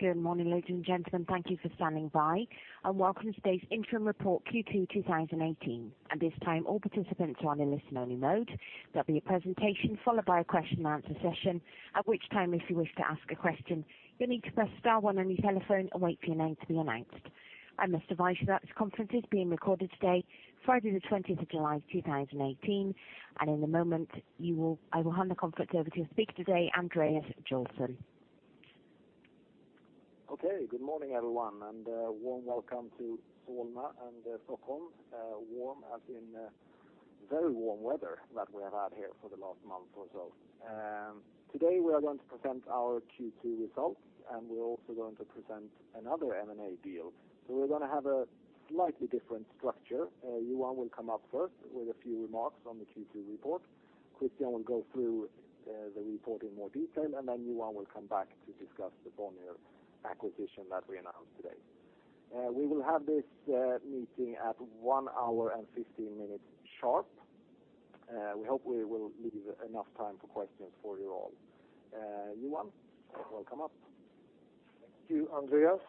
Good morning, ladies and gentlemen. Thank you for standing by, and welcome to today's interim report, Q2 2018. At this time, all participants are in listen only mode. There'll be a presentation followed by a question and answer session. At which time, if you wish to ask a question, you'll need to press star one on your telephone and wait for your name to be announced. I must advise you that this conference is being recorded today, Friday the 20th of July, 2018. In a moment, I will hand the conference over to a speaker today, Andreas Joelsson. Good morning, everyone, a warm welcome to Solna and Stockholm. Warm as in very warm weather that we have had here for the last month or so. Today we are going to present our Q2 results. We're also going to present another M&A deal. We're going to have a slightly different structure. Johan will come up first with a few remarks on the Q2 report. Christian will go through the report in more detail. Then Johan will come back to discuss the Bonnier acquisition that we announced today. We will have this meeting at one hour and 15 minutes sharp. We hope we will leave enough time for questions for you all. Johan, you may come up. Thank you, Andreas.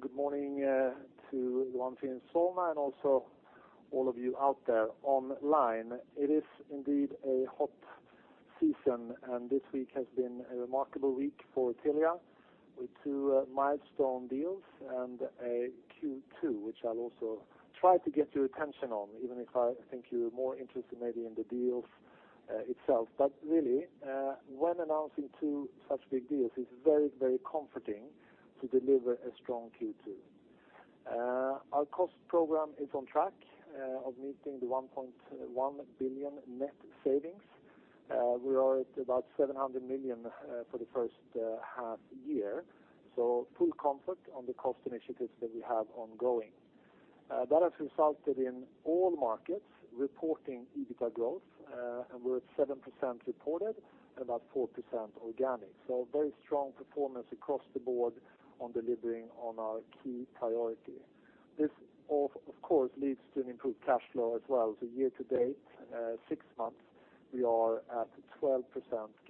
Good morning to the ones in Solna, also all of you out there online. It is indeed a hot season. This week has been a remarkable week for Telia with two milestone deals and a Q2, which I'll also try to get your attention on, even if I think you're more interested maybe in the deals itself. Really, when announcing two such big deals, it's very comforting to deliver a strong Q2. Our cost program is on track of meeting the 1.1 billion net savings. We are at about 700 million for the first half year, full comfort on the cost initiatives that we have ongoing. That has resulted in all markets reporting EBITDA growth. We're at 7% reported, about 4% organic. Very strong performance across the board on delivering on our key priority. This, of course, leads to an improved cash flow as well. Year to date, six months, we are at 12%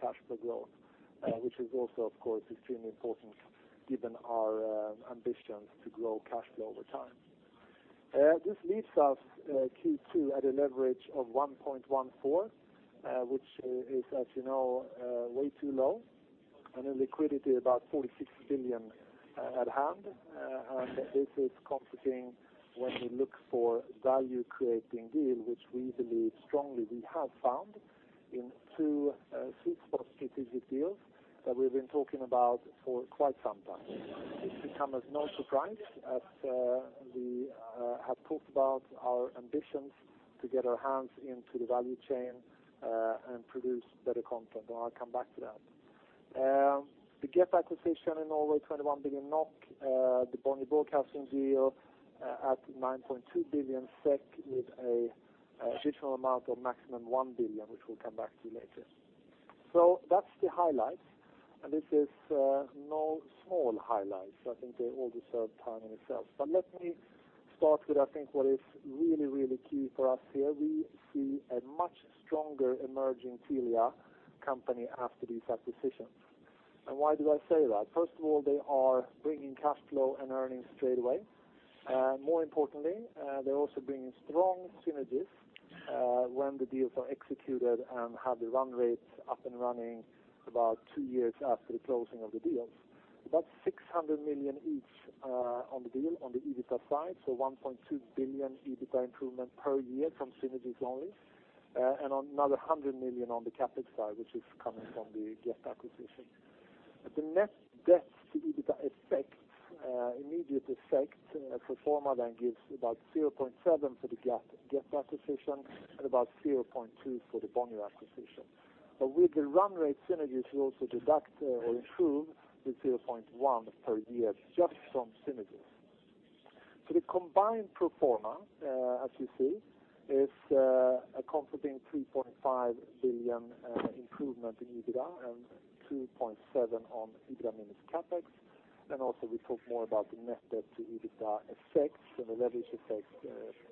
cash flow growth, which is also, of course, extremely important given our ambitions to grow cash flow over time. This leaves us Q2 at a leverage of 1.14, which is, as you know, way too low, a liquidity about 46 billion at hand. This is comforting when we look for value-creating deal, which we believe strongly we have found in two sweet spot strategic deals that we've been talking about for quite some time. This comes as no surprise, as we have talked about our ambitions to get our hands into the value chain, and produce better content. I'll come back to that. The Get acquisition in Norway, 21 billion NOK, the Bonnier Broadcasting deal at 9.2 billion SEK with an additional amount of maximum 1 billion, which we will come back to later. That is the highlights, and this is no small highlights. I think they all deserve time in itself. Let me start with, I think what is really key for us here. We see a much stronger emerging Telia Company after these acquisitions. Why do I say that? First of all, they are bringing cash flow and earnings straight away. More importantly, they are also bringing strong synergies, when the deals are executed and have the run rates up and running about two years after the closing of the deals. About 600 million each, on the deal, on the EBITDA side, 1.2 billion EBITDA improvement per year from synergies only, and another 100 million on the CapEx side, which is coming from the Get acquisition. The net debt to EBITDA effects, immediate effects, pro forma gives about 0.7 for the Get acquisition and about 0.2 for the Bonnier acquisition. With the run rate synergies, we also deduct or improve with 0.1 per year just from synergies. The combined pro forma, as you see, is a comforting 3.5 billion improvement in EBITDA and 2.7 on EBITDA minus CapEx. Also we talk more about the net debt to EBITDA effects and the leverage effects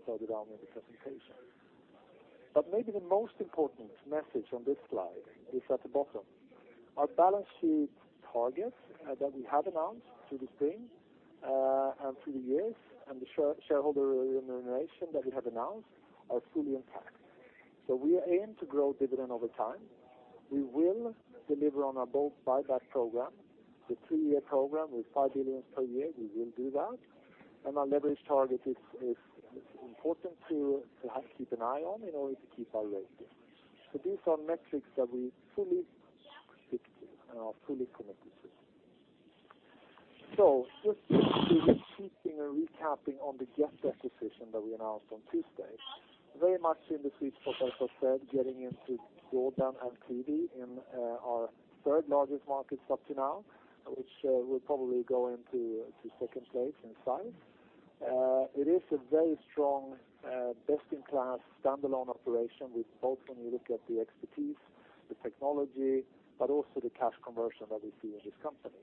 further down in the presentation. Maybe the most important message on this slide is at the bottom. Our balance sheet targets that we have announced through the spring, and through the years, and the shareholder remuneration that we have announced are fully intact. We aim to grow dividend over time. We will deliver on our bold buyback program, the three-year program with 5 billion per year. We will do that. Our leverage target is important to keep an eye on in order to keep our rating. These are metrics that we fully stick to and are fully committed to. Just keeping or recapping on the Get acquisition that we announced on Tuesday, very much in the sweet spot, as I said, getting into broadband and TV in our third-largest market up to now, which will probably go into second place in size. It is a very strong, best-in-class standalone operation with both when you look at the expertise, the technology, but also the cash conversion that we see in this company.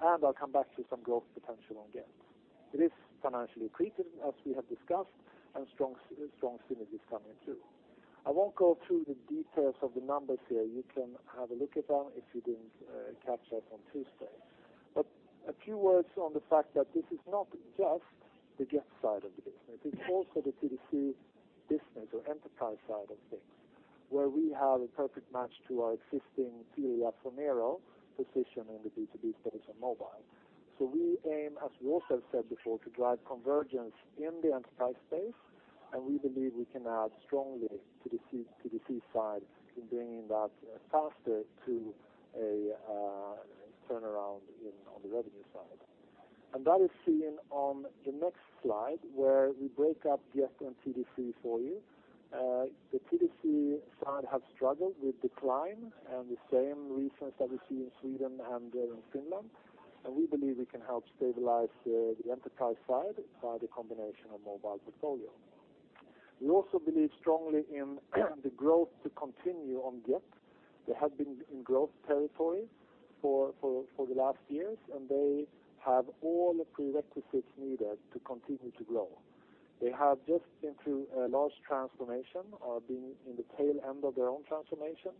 I will come back to some growth potential on Get. It is financially accretive as we have discussed, and strong synergies coming through. I will not go through the details of the numbers here. You can have a look at them if you did not catch up on Tuesday. A few words on the fact that this is not just the Get side of the business, it is also the TDC business or enterprise side of things, where we have a perfect match to our existing TeliaSonera position in the B2B space on mobile. We aim, as we also said before, to drive convergence in the enterprise space, and we believe we can add strongly to the TDC side in bringing that faster to a turnaround on the revenue side. That is seen on the next slide, where we break up Get and TDC for you. The TDC side has struggled with decline and the same reasons that we see in Sweden and in Finland, and we believe we can help stabilize the enterprise side by the combination of mobile portfolio. We also believe strongly in the growth to continue on Get. They have been in growth territory for the last years, and they have all the prerequisites needed to continue to grow. They have just been through a large transformation, or been in the tail end of their own transformation,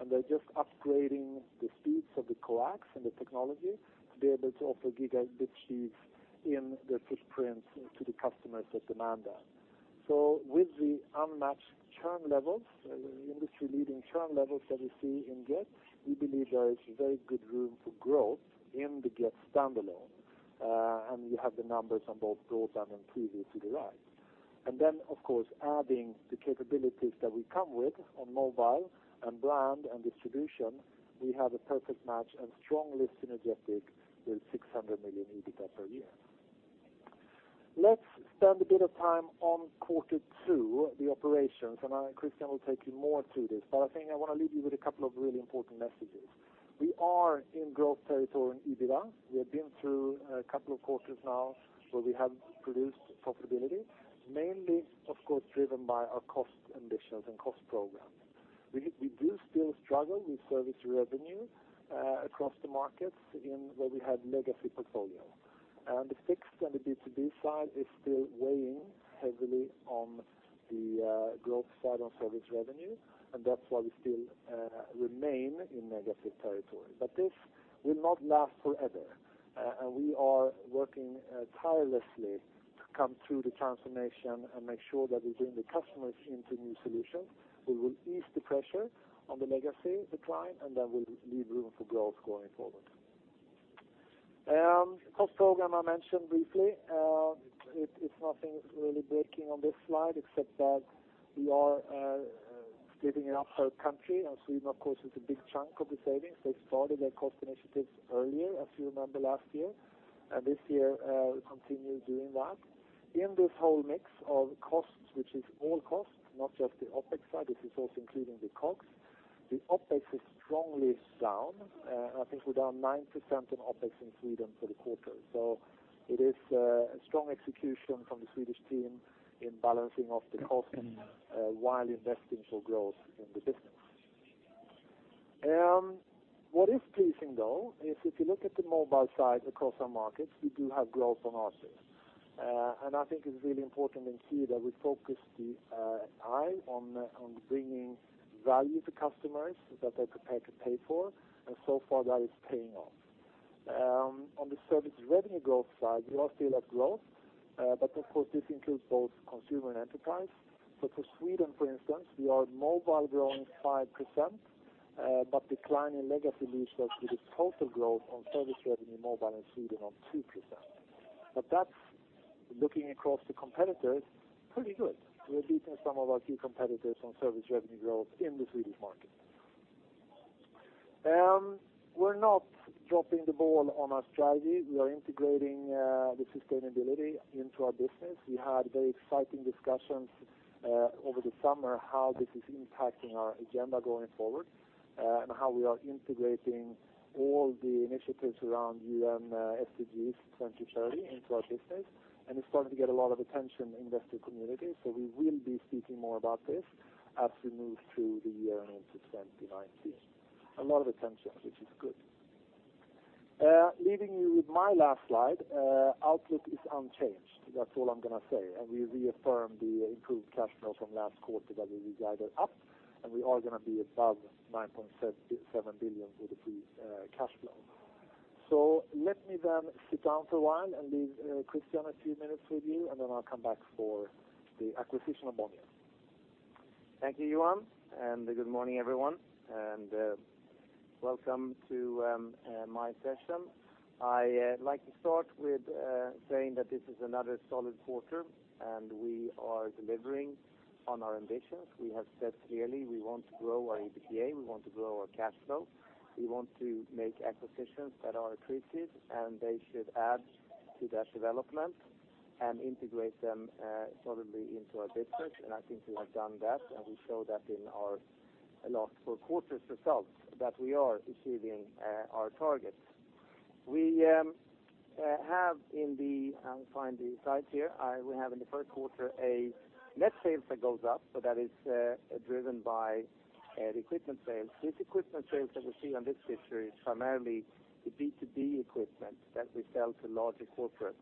and they're just upgrading the speeds of the coax and the technology to be able to offer gigabit speeds in their footprints to the customers that demand that. So with the unmatched churn levels, industry-leading churn levels that we see in Get, we believe there is very good room for growth in the Get standalone. And we have the numbers on both growth and on previous to the right. And then, of course, adding the capabilities that we come with on mobile and brand and distribution, we have a perfect match and strongly synergetic with 600 million EBITDA per year. Let's spend a bit of time on quarter two, the operations, and Christian will take you more through this. I think I want to leave you with a couple of really important messages. We are in growth territory in EBITDA. We have been through a couple of quarters now where we have produced profitability, mainly, of course, driven by our cost ambitions and cost program. We do still struggle with service revenue across the markets where we have legacy portfolio. The fixed and the B2B side is still weighing heavily on the growth side on service revenue, and that's why we still remain in negative territory. This will not last forever. And we are working tirelessly to come through the transformation and make sure that we bring the customers into new solutions. We will ease the pressure on the legacy decline, and that will leave room for growth going forward. Cost program, I mentioned briefly. It's nothing really breaking on this slide except that we are splitting it up per country, and Sweden, of course, is a big chunk of the savings. They started their cost initiatives earlier, as you remember last year, and this year will continue doing that. In this whole mix of costs, which is all costs, not just the OpEx side, this is also including the COGS. The OpEx is strongly down. I think we're down 9% on OpEx in Sweden for the quarter. So it is a strong execution from the Swedish team in balancing off the cost while investing for growth in the business. What is pleasing, though, is if you look at the mobile side across our markets, we do have growth on ARPU. I think it's really important in here that we focus the eye on bringing value to customers that they're prepared to pay for, and so far that is paying off. On the service revenue growth side, we are still at growth, but of course, this includes both consumer and enterprise. For Sweden, for instance, we are mobile growing 5%, but decline in legacy leads us with a total growth on service revenue mobile in Sweden on 2%. That's, looking across the competitors, pretty good. We're beating some of our key competitors on service revenue growth in the Swedish market. We're not dropping the ball on our strategy. We are integrating the sustainability into our business. We had very exciting discussions over the summer how this is impacting our agenda going forward, and how we are integrating all the initiatives around UN SDGs 2030 into our business, and it's starting to get a lot of attention in investor community. We will be speaking more about this as we move through the year and into 2019. A lot of attention, which is good. Leaving you with my last slide. Outlook is unchanged. That's all I'm going to say. We reaffirm the improved cash flow from last quarter that we guided up, and we are going to be above 9.7 billion for the free cash flow. Let me then sit down for a while and leave Christian a few minutes with you, and then I'll come back for the acquisition of Bonnier. Thank you, Johan, and good morning, everyone, and welcome to my session. I like to start with saying that this is another solid quarter, and we are delivering on our ambitions. We have said clearly we want to grow our EBITDA, we want to grow our cash flow. We want to make acquisitions that are accretive, and they should add to that development and integrate them solidly into our business. I think we have done that, and we show that in our last four quarters results that we are achieving our targets. We have in the first quarter a net sales that goes up. That is driven by the equipment sales. This equipment sales that we see on this picture is primarily the B2B equipment that we sell to larger corporates.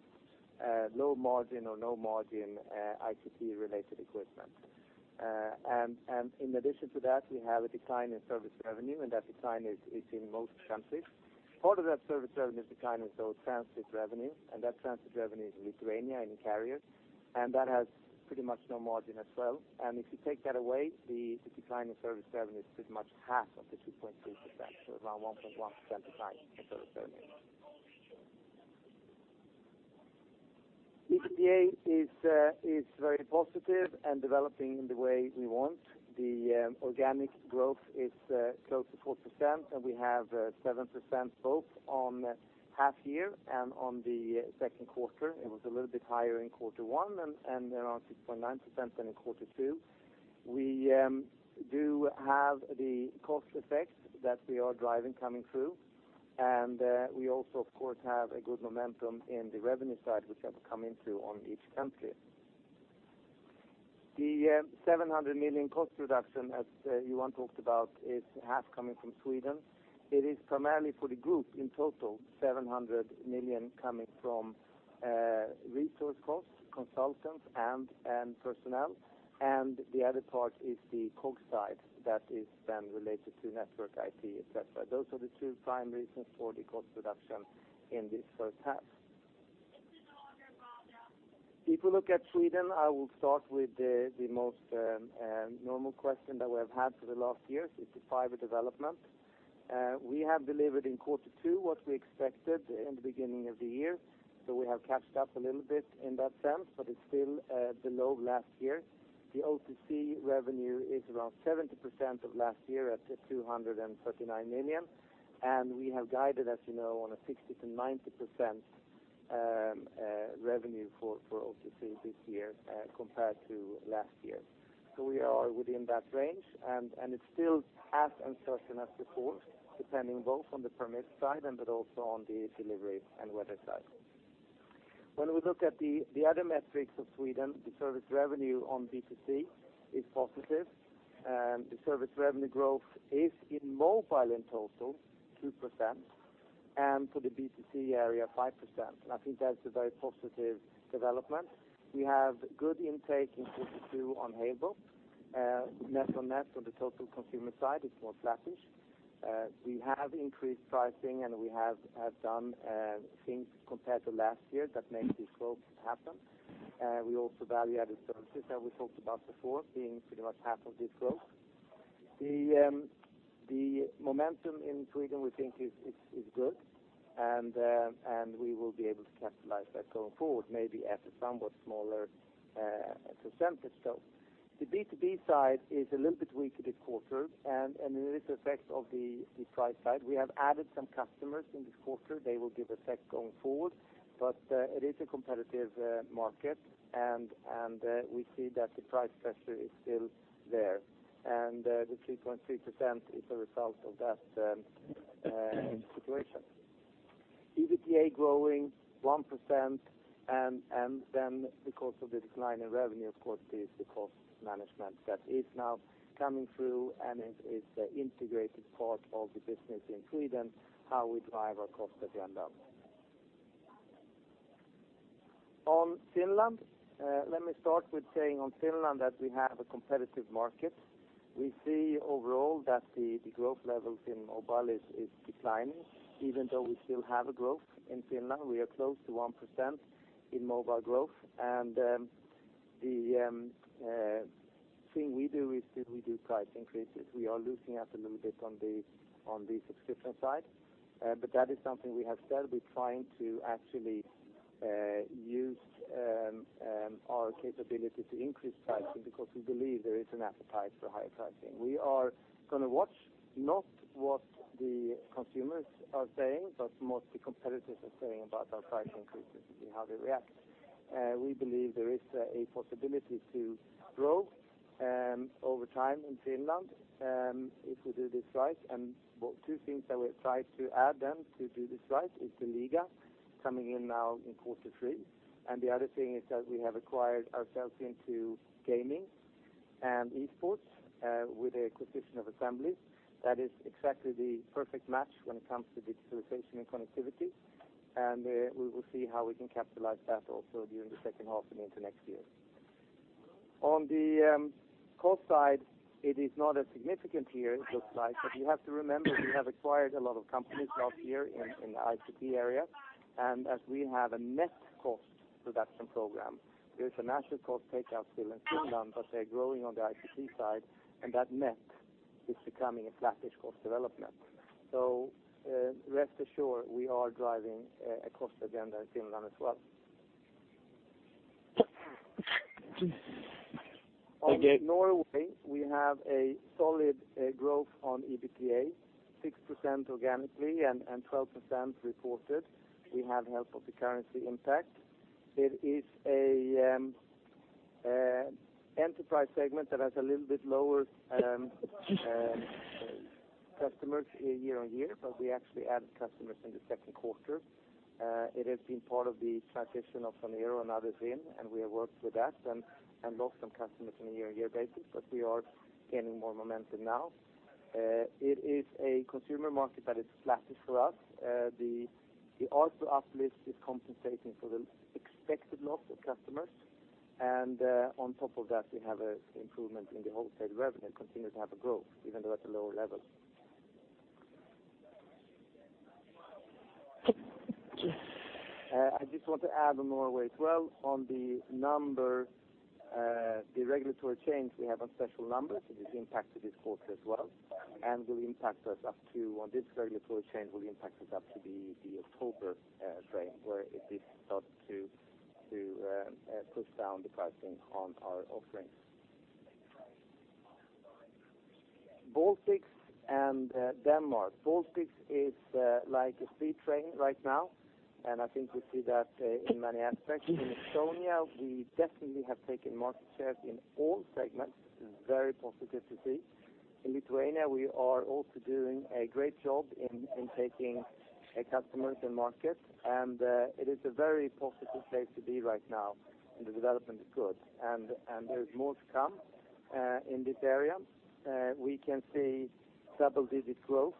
Low margin or no margin ICT-related equipment. In addition to that, we have a decline in service revenue, and that decline is in most countries. Part of that service revenue decline is transit revenue, and that transit revenue is Lithuania and carriers, and that has pretty much no margin as well. If you take that away, the decline in service revenue is pretty much half of the 2.3%, so around 1.1% decline in service revenue. EBITDA is very positive and developing in the way we want. The organic growth is close to 4%, and we have 7% both on half year and on the second quarter. It was a little bit higher in quarter one and around 6.9% than in quarter two. We do have the cost effects that we are driving coming through, and we also of course have a good momentum in the revenue side, which have come into on each country. The 700 million cost reduction, as Johan talked about, is half coming from Sweden. It is primarily for the group in total, 700 million coming from resource costs, consultants, and personnel. The other part is the COGS side that is related to network IT, et cetera. Those are the two prime reasons for the cost reduction in this first half. If you look at Sweden, I will start with the most normal question that we have had for the last year, is the fiber development. We have delivered in quarter two what we expected in the beginning of the year, so we have catched up a little bit in that sense, but it's still below last year. The OTC revenue is around 70% of last year at 239 million. We have guided, as you know, on a 60%-90% revenue for OTC this year compared to last year. We are within that range, and it's still as uncertain as before, depending both on the permit side, but also on the delivery and weather side. When we look at the other metrics of Sweden, the service revenue on B2C is positive. The service revenue growth is in mobile in total 2%, and for the B2C area 5%. I think that's a very positive development. We have good intake in Q2 on Halebop. Net on net on the total consumer side is more flattish. We have increased pricing, and we have done things compared to last year that make this growth happen. We also value-added services that we talked about before, being pretty much half of this growth. The momentum in Sweden we think is good, and we will be able to capitalize that going forward, maybe at a somewhat smaller % though. The B2B side is a little bit weak this quarter. There is effect of the price side. We have added some customers in this quarter. They will give effect going forward. It is a competitive market, and we see that the price pressure is still there. The 3.3% is a result of that situation. EBITDA growing 1%. Then because of the decline in revenue, of course, it is the cost management that is now coming through, and it is an integrated part of the business in Sweden, how we drive our cost agenda. On Finland, let me start with saying on Finland that we have a competitive market. We see overall that the growth levels in mobile is declining, even though we still have a growth in Finland. We are close to 1% in mobile growth. The thing we do is still we do price increases. We are losing out a little bit on the subscription side. That is something we have said. We're trying to actually use our capability to increase pricing because we believe there is an appetite for higher pricing. We are going to watch not what the consumers are saying, but what the competitors are saying about our price increases and how they react. We believe there is a possibility to grow over time in Finland if we do this right. Two things that we have tried to add then to do this right is the Liiga coming in now in quarter 3, and the other thing is that we have acquired ourselves into gaming and e-sports with the acquisition of Assembly. That is exactly the perfect match when it comes to digitalization and connectivity, and we will see how we can capitalize that also during the second half and into next year. On the cost side, it is not as significant here, it looks like. You have to remember, we have acquired a lot of companies last year in the ICT area, and as we have a net cost reduction program, there is a natural cost takeout still in Finland, but they are growing on the ICT side, and that net is becoming a flattish cost development. Rest assured, we are driving a cost agenda in Finland as well. Okay. On Norway, we have a solid growth on EBITDA, 6% organically and 12% reported. We have help of the currency impact. It is an enterprise segment that has a little bit lower customers year-on-year, but we actually added customers in the second quarter. It has been part of the transition of Sonera and others in, and we have worked with that and lost some customers in a year-on-year basis, but we are gaining more momentum now. It is a consumer market that is flat for us. The Altibox uplift is compensating for the expected loss of customers, and on top of that we have an improvement in the wholesale revenue, continue to have a growth even though at a lower level. I just want to add on Norway as well, on the number, the regulatory change, we have a special number, so this impacts this quarter as well and will impact us up to the October frame, where it is thought to push down the pricing on our offerings. Baltics and Denmark. Baltics is like a steam train right now, and I think we see that in many aspects. In Estonia, we definitely have taken market share in all segments. This is very positive to see. In Lithuania, we are also doing a great job in taking customers and market, and it is a very positive place to be right now, and the development is good. There is more to come in this area. We can see double-digit growth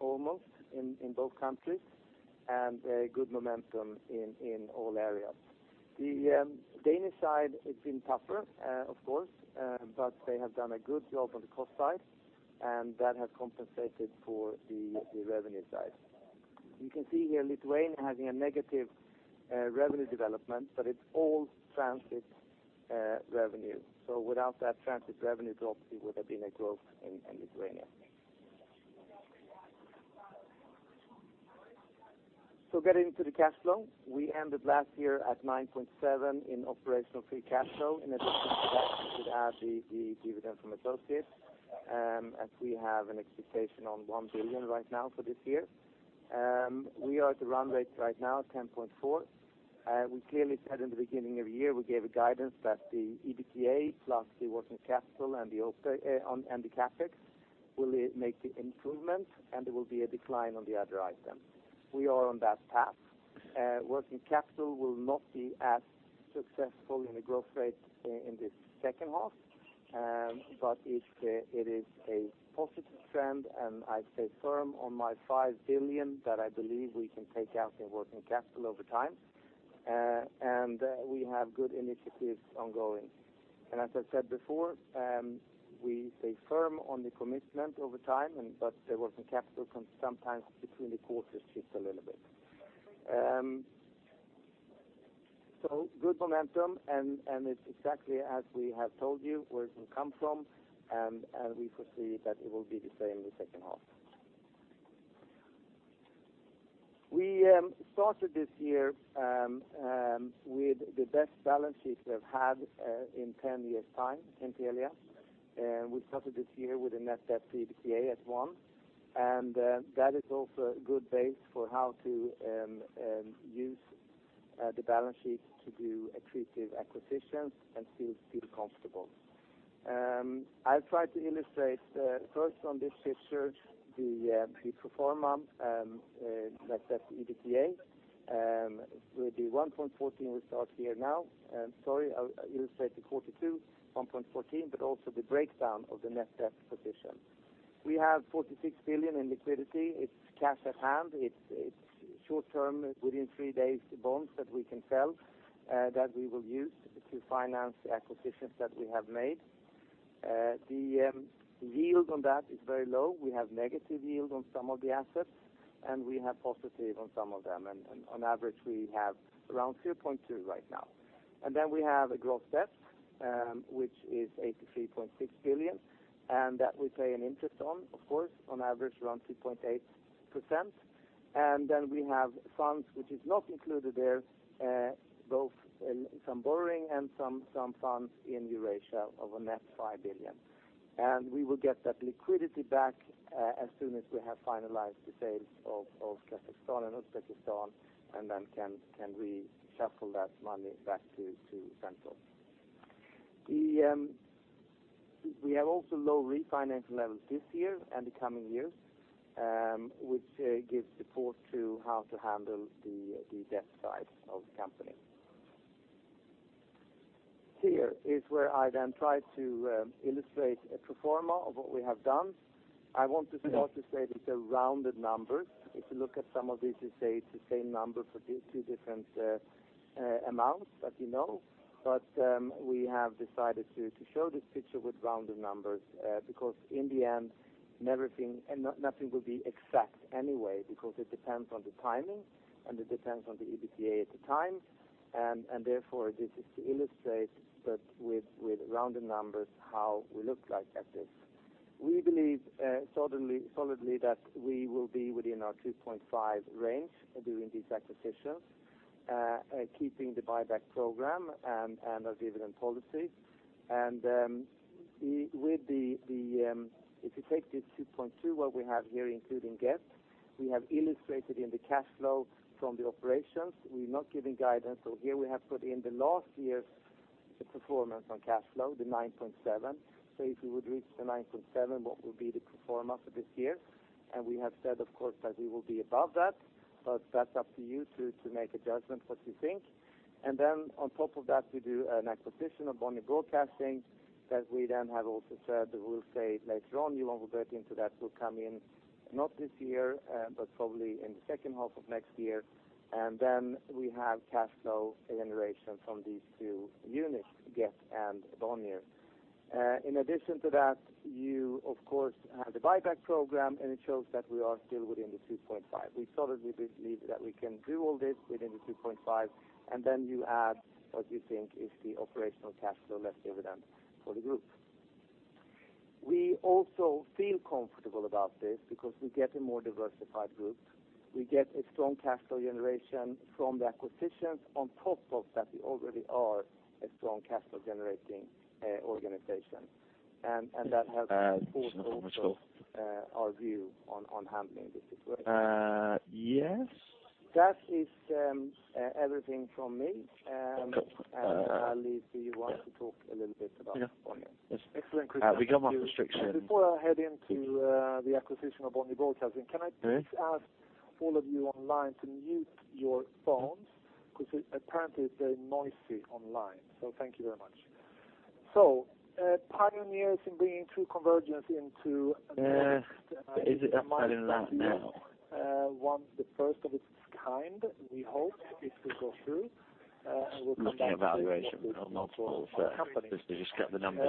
almost in both countries and good momentum in all areas. The Danish side, it's been tougher of course, but they have done a good job on the cost side, and that has compensated for the revenue side. You can see here Lithuania having a negative revenue development, but it's all transit revenue. Without that transit revenue drop there would have been a growth in Lithuania. Getting to the cash flow, we ended last year at 9.7 in operational free cash flow. In addition to that, we could add the dividend from associates, as we have an expectation on 1 billion right now for this year. We are at the run rate right now, 10.4. We clearly said in the beginning of the year, we gave a guidance that the EBITDA plus the working capital and the CapEx will make the improvements, and there will be a decline on the other item. We are on that path. Working capital will not be as successful in the growth rate in this second half, but it is a positive trend, and I'd say firm on my 5 billion that I believe we can take out in working capital over time. We have good initiatives ongoing. As I've said before, we stay firm on the commitment over time, but the working capital can sometimes between the quarters shift a little bit. Good momentum and it's exactly as we have told you where it can come from, and we foresee that it will be the same in the second half. We started this year with the best balance sheet we have had in 10 years' time in Telia. We started this year with a net debt to EBITDA at 1. That is also a good base for how to use the balance sheet to do accretive acquisitions and still feel comfortable. I'll try to illustrate, first on this picture, the pre-pro forma, net debt to EBITDA, with the 1.14 we start here now. Sorry, I'll illustrate the quarter 2, 1.14, but also the breakdown of the net debt position. We have 46 billion in liquidity. It's cash at hand. It's short-term within 3 days bonds that we can sell, that we will use to finance the acquisitions that we have made. The yield on that is very low. We have negative yield on some of the assets, and we have positive on some of them, and on average, we have around 2.2% right now. Then we have a gross debt, which is 83.6 billion. That we pay an interest on of course, on average around 2.8%. Then we have funds which is not included there, both in some borrowing and some funds in Eurasia of a net 5 billion. We will get that liquidity back as soon as we have finalized the sales of Kazakhstan and Uzbekistan and then can reshuffle that money back to Central. We have also low refinance levels this year and the coming years, which gives support to how to handle the debt side of the company. Here is where I then try to illustrate a pro forma of what we have done. I want to start to say that they're rounded numbers. If you look at some of these you say it's the same number for two different amounts that you know. We have decided to show this picture with rounded numbers because in the end, nothing will be exact anyway because it depends on the timing, and it depends on the EBITDA at the time, and therefore this is to illustrate, but with rounded numbers how we look like at this. We believe solidly that we will be within our 2.5 range during these acquisitions, keeping the buyback program and our dividend policy. If you take the 2.2 what we have here including debt, we have illustrated in the cash flow from the operations we are not giving guidance, so here we have put in the last year's performance on cash flow, the 9.7. If you would reach the 9.7, what will be the pro forma for this year? We have said of course that we will be above that, but that is up to you to make a judgment what you think. On top of that, we do an acquisition of Bonnier Broadcasting, that we then have also said that we will say later on, you will not go into that will come in not this year, but probably in the second half of next year. We have cash flow generation from these two units, Get and Bonnier. In addition to that, you of course, have the buyback program, and it shows that we are still within the 2.5. We solidly believe that we can do all this within the 2.5, and then you add what you think is the operational cash flow less dividend for the group. We also feel comfortable about this because we get a more diversified group. We get a strong cash flow generation from the acquisitions on top of that, we already are a strong cash flow generating organization. That has supported also our view on handling the situation. Yes. That is everything from me. Okay. I'll leave to you, want to talk a little bit about Bonnier. Yes. Excellent. We come off restriction. Before I head into the acquisition of Bonnier Broadcasting, can I please ask all of you online to mute your phones? Apparently it's very noisy online. Thank you very much. Pioneers in bringing true convergence into the North. Is it up by that now? Once the first of its kind, we hope it will go through, and we'll come back to Looking at valuation on multiple, just to get the numbers.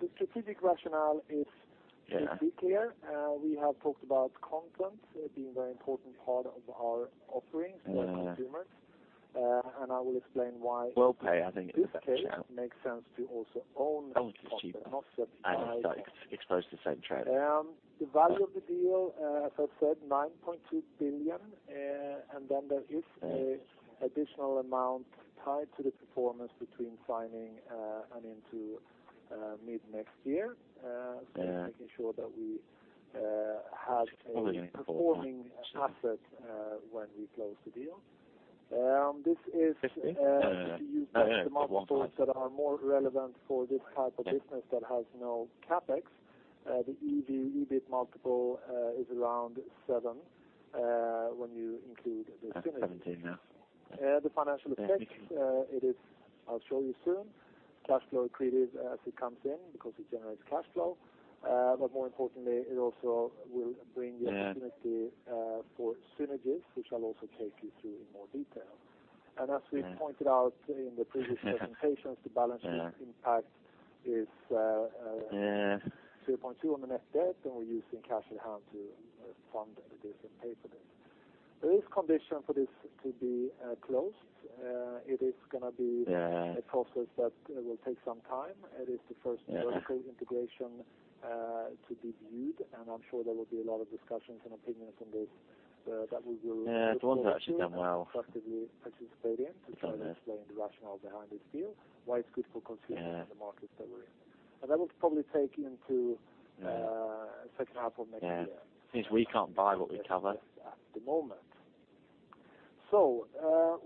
The strategic rationale should be clear. We have talked about content being very important part of our offerings for consumers. I will explain why. Will pay, I think, is a better share. In this case, it makes sense to also own content, not just buy it. Own because it's cheaper, and it's exposed to the same trade. The value of the deal, as I've said, 9.2 billion, and then there is additional amount tied to the performance between signing and into mid-next year. Making sure that we have a performing asset when we close the deal. If you look at the multiples that are more relevant for this type of business that has no CapEx, the EV-EBIT multiple is around seven when you include the synergies. That's coming in now. The financial effects, I'll show you soon. Cash flow accretive as it comes in because it generates cash flow. More importantly, it also will bring the opportunity for synergies, which I'll also take you through in more detail. As we pointed out in the previous presentations, the balance sheet impact is 0.2 on the net debt, and we're using cash in hand to fund this and pay for this. There is condition for this to be closed. It is going to be a process that will take some time. It is the first vertical integration to be viewed, and I'm sure there will be a lot of discussions and opinions on this. The ones that have actually done well actively participate in to try to explain the rationale behind this deal, why it's good for consumers and the markets that we're in. That will probably take into second half of next year. Since we can't buy what we cover. At the moment.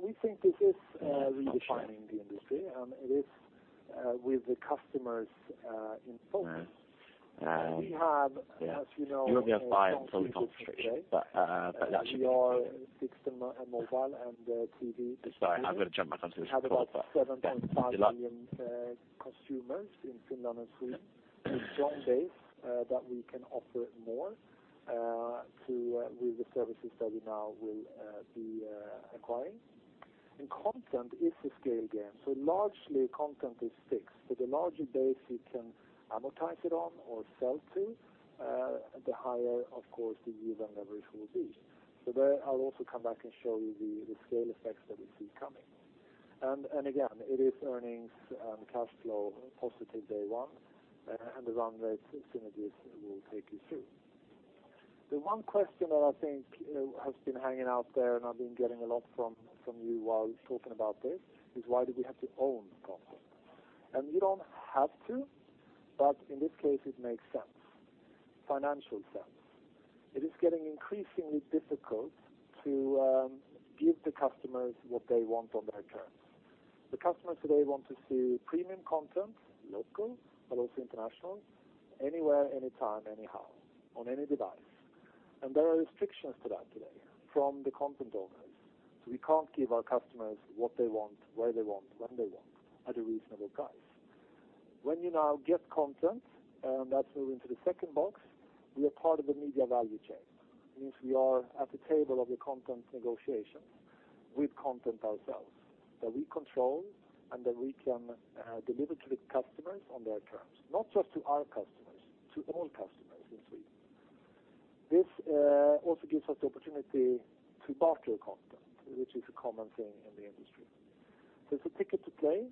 We think this is redefining the industry, and it is with the customers in focus. We have, as you know. You won't be able to buy it until the concentration, that should be it. We have a strong position today. We are fixed mobile and TV provider. Sorry, I'm going to jump back onto this call. Yeah. Good luck. We have about 7.5 million consumers in Finland and Sweden, a strong base that we can offer more with the services that we now will be acquiring. Content is a scale game. Largely, content is fixed. With a larger base, you can amortize it on or sell to, the higher, of course, the yield on leverage will be. There, I'll also come back and show you the scale effects that we see coming. Again, it is earnings and cash flow positive day one, and the run rate synergies will take you through. The one question that I think has been hanging out there and I've been getting a lot from you while talking about this, is why do we have to own content? We don't have to, but in this case, it makes sense, financial sense. It is getting increasingly difficult to give the customers what they want on their terms. The customers today want to see premium content, local, but also international, anywhere, anytime, anyhow, on any device. There are restrictions to that today from the content owners. We can't give our customers what they want, where they want, when they want, at a reasonable price. When you now get content, and that's where we're into the second box, we are part of the media value chain. This means we are at the table of the content negotiations with content ourselves that we control and that we can deliver to the customers on their terms, not just to our customers, to all customers in Sweden. This also gives us the opportunity to barter content, which is a common thing in the industry. There's a ticket to play,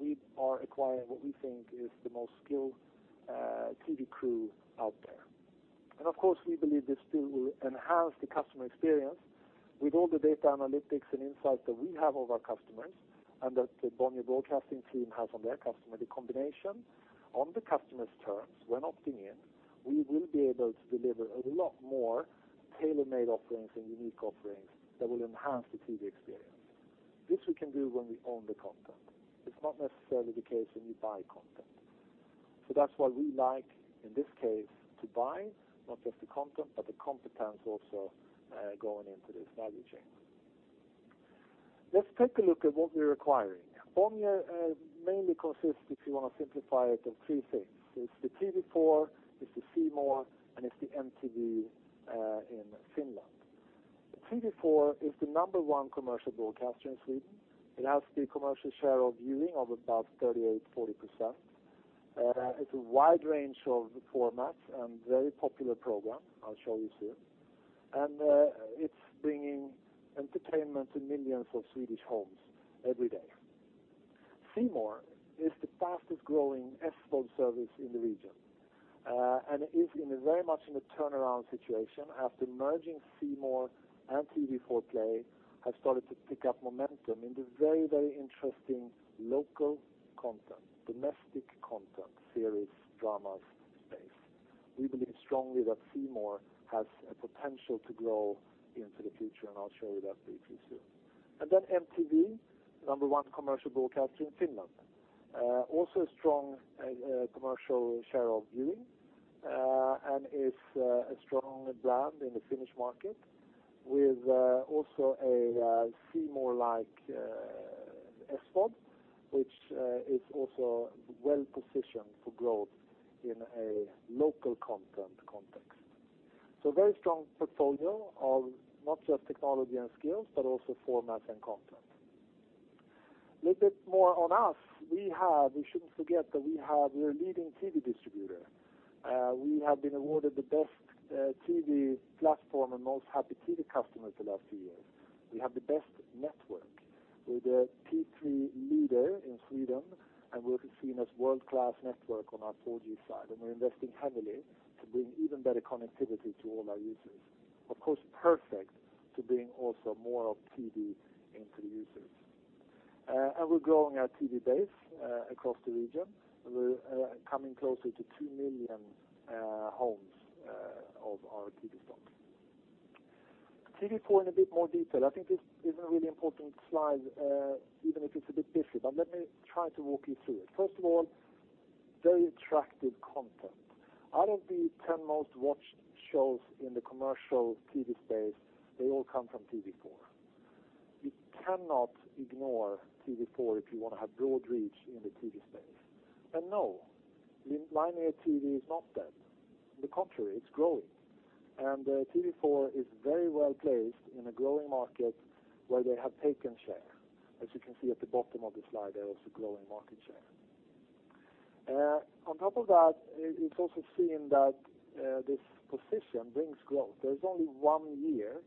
we are acquiring what we think is the most skilled TV crew out there. Of course, we believe this deal will enhance the customer experience with all the data analytics and insights that we have of our customers and that the Bonnier Broadcasting team has on their customer. The combination on the customer's terms when opting in, we will be able to deliver a lot more tailor-made offerings and unique offerings that will enhance the TV experience. This we can do when we own the content. It's not necessarily the case when you buy content. That's why we like, in this case, to buy not just the content, but the competence also going into this value chain. Let's take a look at what we're acquiring. Bonnier mainly consists, if you want to simplify it, of three things. It's the TV4, it's the C More, and it's the MTV in Finland. TV4 is the number 1 commercial broadcaster in Sweden. It has the commercial share of viewing of about 38%-40%. It's a wide range of formats and very popular program. I'll show you soon. It's bringing entertainment to millions of Swedish homes every day. C More is the fastest-growing SVOD service in the region. It is very much in a turnaround situation after merging C More and TV4 Play have started to pick up momentum in the very interesting local content, domestic content, series, dramas space. We believe strongly that C More has a potential to grow into the future, and I'll show you that briefly too. Then MTV, number 1 commercial broadcaster in Finland. Also a strong commercial share of viewing, and is a strong brand in the Finnish market with also a C More-like SVOD, which is also well-positioned for growth in a local content context. A very strong portfolio of not just technology and skills, but also formats and content. Little bit more on us. We shouldn't forget that we're a leading TV distributor. We have been awarded the best TV platform and most happy TV customer for the last few years. We have the best network. We're the P3 leader in Sweden, and we're seen as world-class network on our 4G side. We're investing heavily to bring even better connectivity to all our users. Of course, perfect to bring also more of TV into the users. We're growing our TV base across the region. We're coming closer to 2 million homes of our TV stock. TV4 in a bit more detail. I think this is a really important slide, even if it's a bit busy, but let me try to walk you through it. First of all, very attractive content. Out of the 10 most-watched shows in the commercial TV space, they all come from TV4. You cannot ignore TV4 if you want to have broad reach in the TV space. No, linear TV is not dead. On the contrary, it's growing. TV4 is very well-placed in a growing market where they have taken share. As you can see at the bottom of the slide, they're also growing market share. On top of that, it's also seen that this position brings growth. There's only one year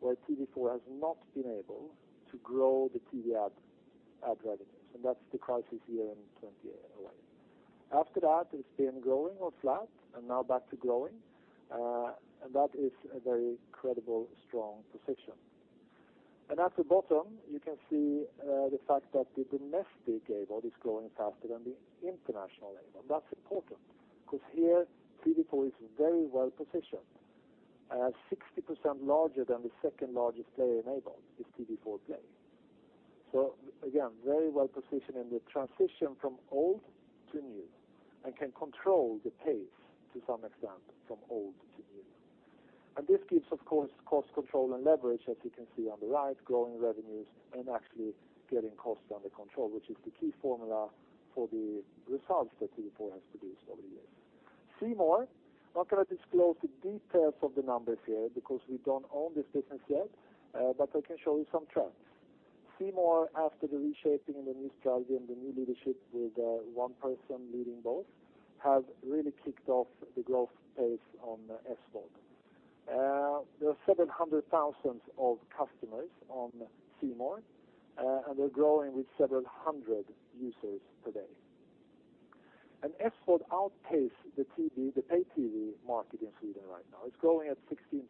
where TV4 has not been able to grow the TV ad revenues, and that's the crisis year in 2008. After that, it's been growing or flat, and now back to growing. That is a very credible, strong position. At the bottom, you can see the fact that the domestic AVOD is growing faster than the international AVOD. That's important because here, TV4 is very well-positioned. 60% larger than the second-largest player in AVOD is TV4 Play. Again, very well-positioned in the transition from old to new and can control the pace to some extent from old to new. This gives, of course, cost control and leverage, as you can see on the right, growing revenues and actually getting costs under control, which is the key formula for the results that TV4 has produced over the years. C More, not going to disclose the details of the numbers here because we don't own this business yet, but I can show you some trends. C More, after the reshaping and the new strategy and the new leadership with one person leading both, have really kicked off the growth pace on SVOD. There are 700,000 of customers on C More, and they're growing with several hundred users today. SVOD outpace the pay TV market in Sweden right now. It's growing at 16%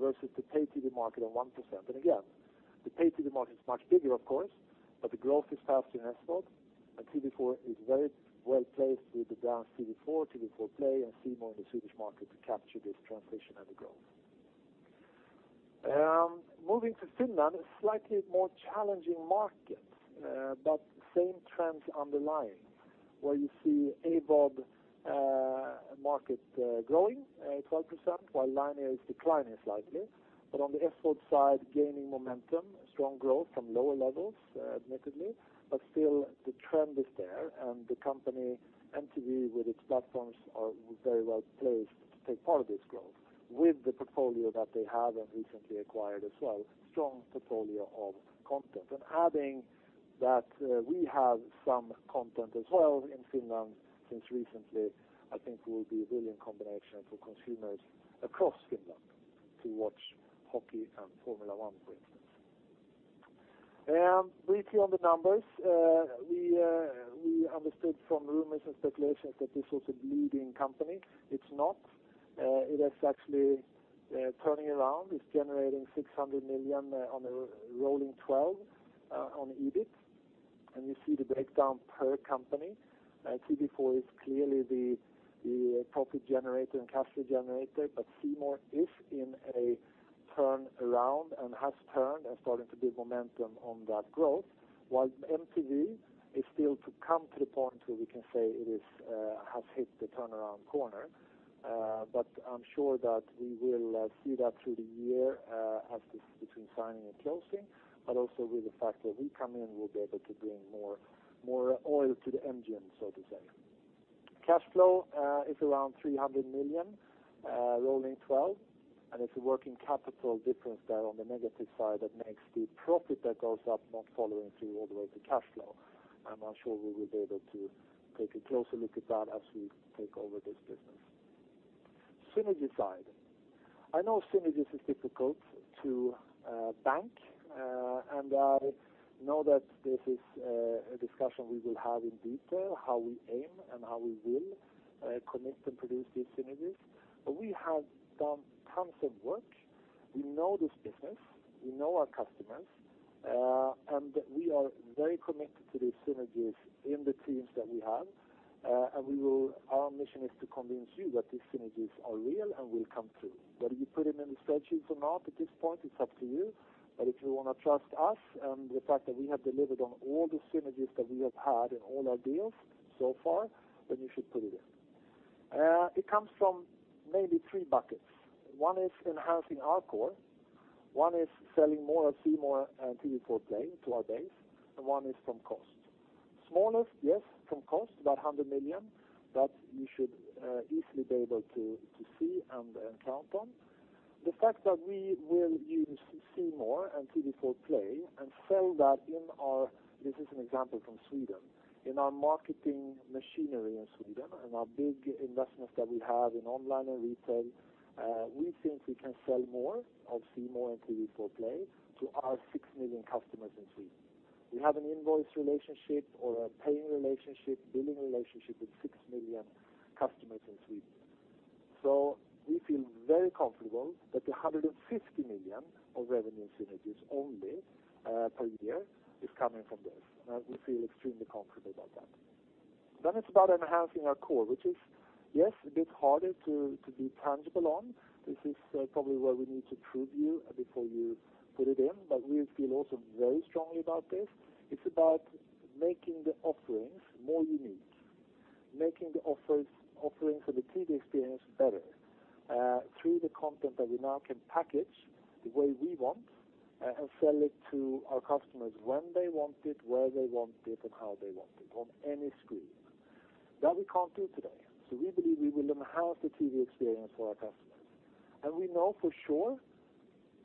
versus the pay TV market at 1%. Again, the pay TV market is much bigger, of course, but the growth is faster in SVOD, and TV4 is very well-placed with the brands TV4 Play, and C More in the Swedish market to capture this transition and the growth. Moving to Finland, a slightly more challenging market, but same trends underlying, where you see AVOD market growing at 12% while linear is declining slightly. On the SVOD side, gaining momentum, strong growth from lower levels, admittedly, but still the trend is there. The company, MTV, with its platforms, are very well-placed to take part of this growth with the portfolio that they have and recently acquired as well, strong portfolio of content. Adding that we have some content as well in Finland since recently, I think will be a brilliant combination for consumers across Finland to watch hockey and Formula One, for instance. Briefly on the numbers. We understood from rumors and speculations that this was a bleeding company. It's not. It is actually turning around. It's generating 600 million on a rolling 12 on EBIT. You see the breakdown per company. TV4 is clearly the profit generator and cash flow generator, but C More is in a turnaround and has turned and starting to build momentum on that growth, while MTV is still to come to the point where we can say it has hit the turnaround corner. I'm sure that we will see that through the year as this between signing and closing, but also with the fact that we come in, we'll be able to bring more oil to the engine, so to say. Cash flow is around 300 million rolling 12, and it's a working capital difference there on the negative side that makes the profit that goes up not following through all the way to cash flow. I'm not sure we will be able to take a closer look at that as we take over this business. Synergy side. I know synergies is difficult to bank. I know that this is a discussion we will have in detail, how we aim and how we will commit to produce these synergies. We have done tons of work. We know this business, we know our customers, and we are very committed to these synergies in the teams that we have. Our mission is to convince you that these synergies are real and will come through. Whether you put them in the spreadsheet or not at this point, it's up to you. If you want to trust us and the fact that we have delivered on all the synergies that we have had in all our deals so far, then you should put it in. It comes from maybe three buckets. One is enhancing our core. One is selling more of C More and TV4 Play to our base. One is from cost. Smallest, yes, from cost, about 100 million, that you should easily be able to see and count on. The fact that we will use C More and TV4 Play and sell that in our, this is an example from Sweden, in our marketing machinery in Sweden and our big investments that we have in online and retail, we think we can sell more of C More and TV4 Play to our 6 million customers in Sweden. We have an invoice relationship or a paying relationship, billing relationship with 6 million customers in Sweden. We feel very comfortable that the 150 million of revenue synergies only per year is coming from this, and we feel extremely comfortable about that. It's about enhancing our core, which is, yes, a bit harder to be tangible on. This is probably where we need to prove you before you put it in, but we feel also very strongly about this. It's about making the offerings more unique, making the offerings for the TV experience better through the content that we now can package the way we want and sell it to our customers when they want it, where they want it, and how they want it on any screen. That we can't do today. We believe we will enhance the TV experience for our customers. We know for sure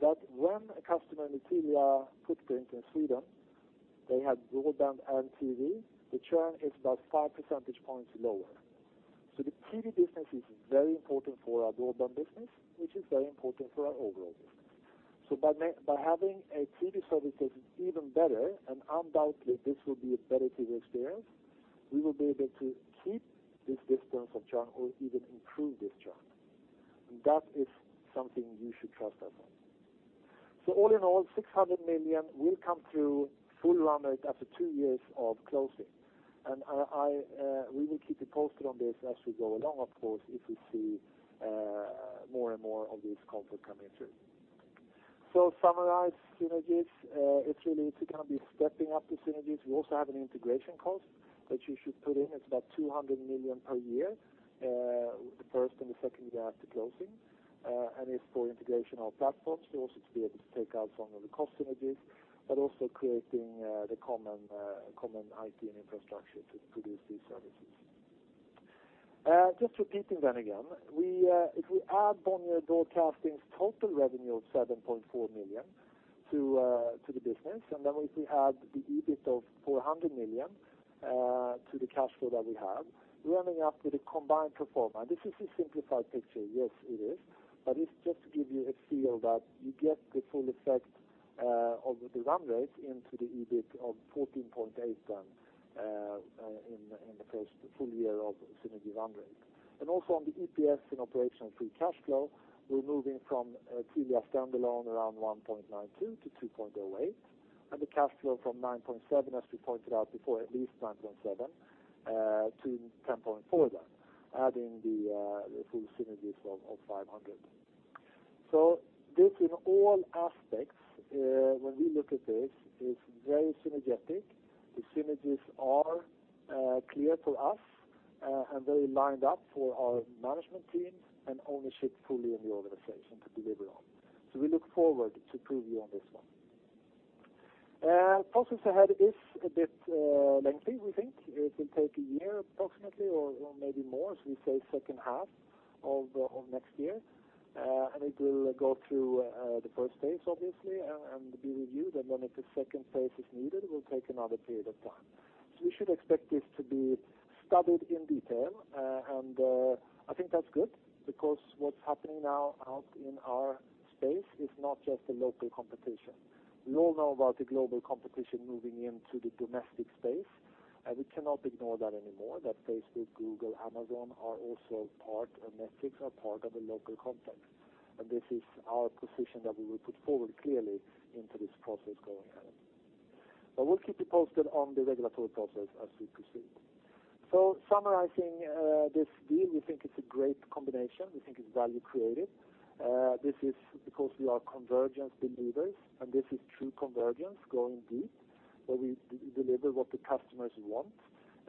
that when a customer in Telia put it in Sweden, they have broadband and TV, the churn is about five percentage points lower. The TV business is very important for our broadband business, which is very important for our overall business. By having a TV service that's even better, and undoubtedly this will be a better TV experience, we will be able to keep this distance of churn or even improve this churn. That is something you should trust us on. All in all, 600 million will come through full run rate after two years of closing. We will keep you posted on this as we go along, of course, if we see more and more of this comfort coming through. To summarize synergies, it's going to be stepping up the synergies. We also have an integration cost that you should put in. It's about 200 million per year, the first and the second year after closing. It's for integration of platforms, also to be able to take out some of the cost synergies, but also creating the common IT and infrastructure to produce these services. Just repeating then again, if we add Bonnier Broadcasting's total revenue of 7.4 billion to the business, then if we add the EBIT of 400 million to the cash flow that we have, we're ending up with a combined pro forma. This is a simplified picture. Yes, it is. But it's just to give you a feel that you get the full effect of the run rate into the EBIT of 14.8 then in the first full year of synergy run rate. Also on the EPS and operational free cash flow, we're moving from a Telia standalone around 1.92 to 2.08, and the cash flow from 9.7, as we pointed out before, at least 9.7, to 10.4 then, adding the full synergies of 500 million. This in all aspects, when we look at this, is very synergetic. The synergies are clear to us and very lined up for our management team and ownership fully in the organization to deliver on. We look forward to prove you on this one. Process ahead is a bit lengthy, we think. It will take one year approximately or maybe more, we say second half of next year. It will go through the first phase, obviously, and be reviewed, then if a second phase is needed, will take another period of time. We should expect this to be studied in detail, and I think that's good because what's happening now out in our space is not just a local competition. We all know about the global competition moving into the domestic space, and we cannot ignore that anymore, that Facebook, Google, Amazon are also part, and Netflix are part of the local context. This is our position that we will put forward clearly into this process going ahead. We'll keep you posted on the regulatory process as we proceed. Summarizing this deal, we think it's a great combination. We think it's value creative. This is because we are convergence believers, and this is true convergence going deep, where we deliver what the customers want.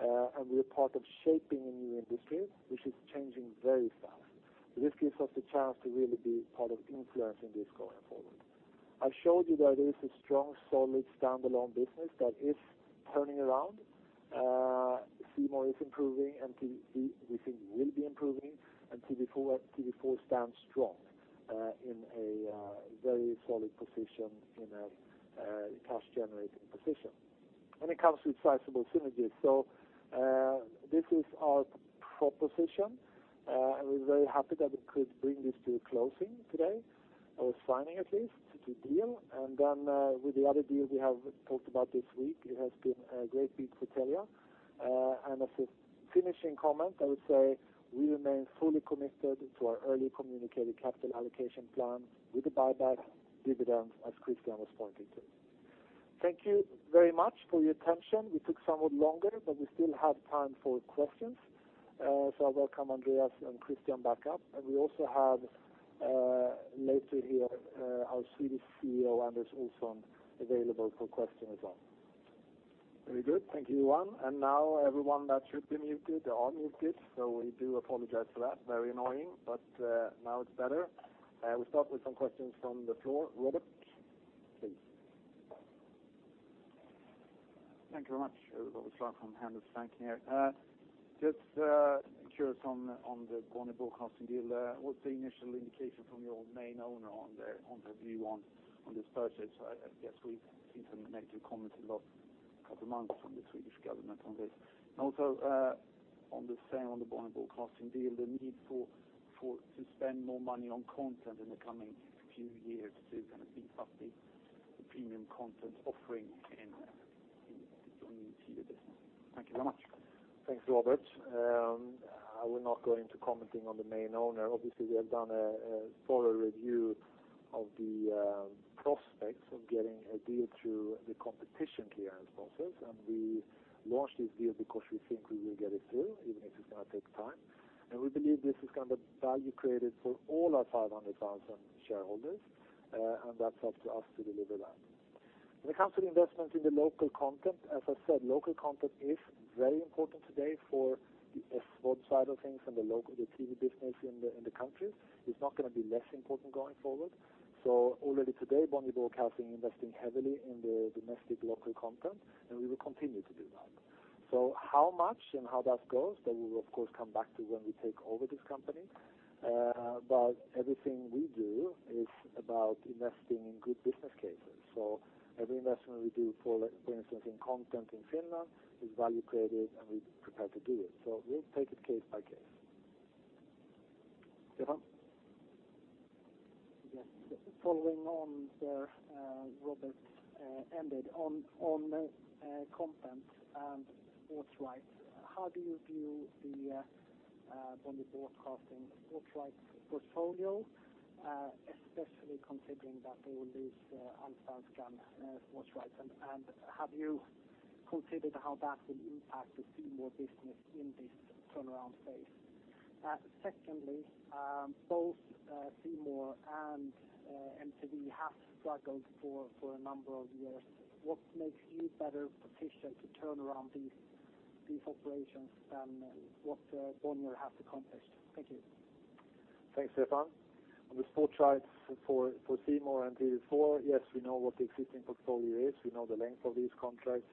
And we are part of shaping a new industry, which is changing very fast. This gives us the chance to really be part of influencing this going forward. I showed you that it is a strong, solid, standalone business that is turning around. C More is improving, MTV we think will be improving, and TV4 stands strong in a very solid position, in a cash-generating position. It comes with sizable synergies. This is our proposition, and we're very happy that we could bring this to a closing today, or signing at least, to deal. Then with the other deals we have talked about this week, it has been a great week for Telia. As a finishing comment, I would say we remain fully committed to our early communicated capital allocation plan with the buyback dividends, as Christian was pointing to. Thank you very much for your attention. We took somewhat longer, but we still have time for questions. I welcome Andreas and Christian back up. We also have later here our Swedish CEO, Anders Nilsson, available for question as well. Very good. Thank you, Johan. Now everyone that should be muted are unmuted, we do apologize for that. Very annoying, now it's better. We start with some questions from the floor. Robert, please. Thank you very much, Robert Slorach from Handelsbanken here. Just curious on the Bonnier Broadcasting deal, what's the initial indication from your main owner on their view on this purchase? I guess we've seen some negative comments in the last couple of months from the Swedish government on this. Also, on the same, on the Bonnier Broadcasting deal, the need to spend more money on content in the coming few years to kind of beef up the premium content offering in the TV business. Thank you very much. Thanks, Robert. I will not go into commenting on the main owner. Obviously, we have done a thorough review of the prospects of getting a deal through the competition clearance process, we launched this deal because we think we will get it through, even if it's going to take time. We believe this is going to value creative for all our 500,000 shareholders, that's up to us to deliver that. When it comes to the investment in the local content, as I said, local content is very important today for the sports side of things and the TV business in the countries. It's not going to be less important going forward. Already today, Bonnier Broadcasting investing heavily in the domestic local content, we will continue to do that. How much and how that goes, we'll of course come back to when we take over this company. Everything we do is about investing in good business cases. Every investment we do, for instance, in content in Finland, is value creative and we're prepared to do it. We'll take it case by case. Stefan? Yes. Following on where Robert ended, on content and sports rights, how do you view the Bonnier Broadcasting sports rights portfolio, especially considering that they will lose Allsvenskan sports rights? Have you considered how that will impact the C More business in this turnaround phase? Secondly, both C More and MTV Oy have struggled for a number of years. What makes you better positioned to turn around these operations than what Bonnier has accomplished? Thank you. Thanks, Stefan. On the sports rights for C More and TV4, yes, we know what the existing portfolio is. We know the length of these contracts,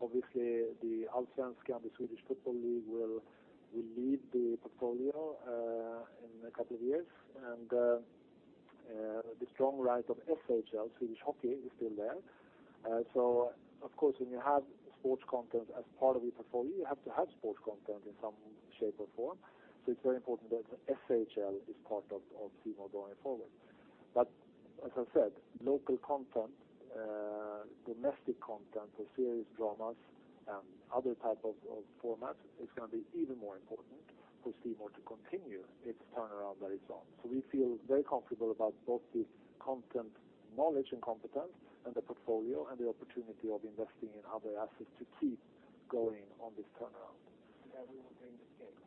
obviously the Allsvenskan, the Swedish Football League, will lead the portfolio in a couple of years. The strong rise of SHL, Swedish hockey, is still there. Of course, when you have sports content as part of your portfolio, you have to have sports content in some shape or form. It's very important that SHL is part of C More going forward. As I said, local content, domestic content for series, dramas, and other type of formats is going to be even more important for C More to continue its turnaround that it's on. We feel very comfortable about both the content knowledge and competence and the portfolio and the opportunity of investing in other assets to keep going on this turnaround. Everyone's in this game.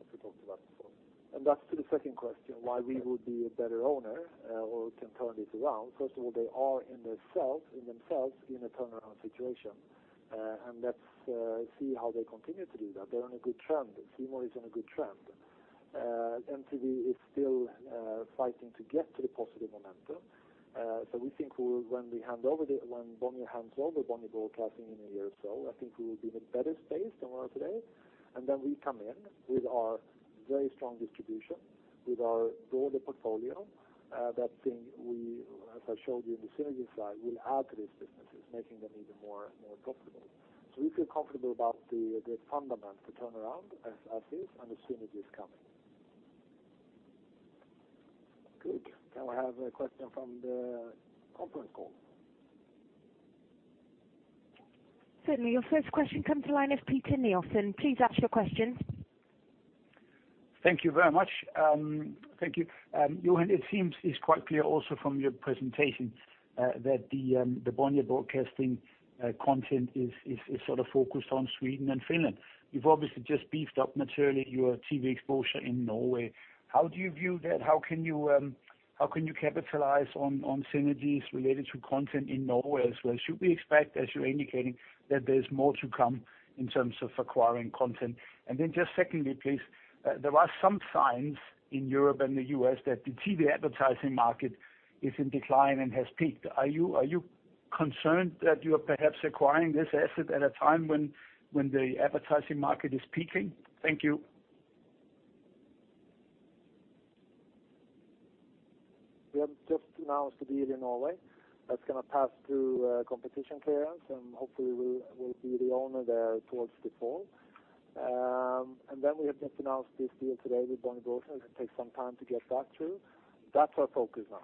As we talked about before. That's to the second question, why we would be a better owner or can turn this around. First of all, they are in themselves in a turnaround situation. Let's see how they continue to do that. They're on a good trend. C More is on a good trend. MTV is still fighting to get to the positive momentum. We think when Bonnier hands over Bonnier Broadcasting in a year or so, I think we will be in a better space than we are today, then we come in with our very strong distribution, with our broader portfolio, that thing we, as I showed you in the synergy slide, will add to these businesses, making them even more profitable. We feel comfortable about the fundamentals to turn around as is, and the synergy is coming. Good. Can we have a question from the conference call? Certainly. Your first question comes from the line of PK Nielson. Please ask your question. Thank you very much. Thank you. Johan, it seems it's quite clear also from your presentation that the Bonnier Broadcasting content is focused on Sweden and Finland. You've obviously just beefed up materially your TV exposure in Norway. How do you view that? How can you capitalize on synergies related to content in Norway as well? Should we expect, as you're indicating, that there's more to come in terms of acquiring content? Then just secondly, please, there are some signs in Europe and the U.S. that the TV advertising market is in decline and has peaked. Are you concerned that you are perhaps acquiring this asset at a time when the advertising market is peaking? Thank you. We have just announced the deal in Norway that's going to pass through competition clearance, hopefully we'll be the owner there towards the fall. We have just announced this deal today with Bonnier Broadcasting. It takes some time to get that through. That's our focus now.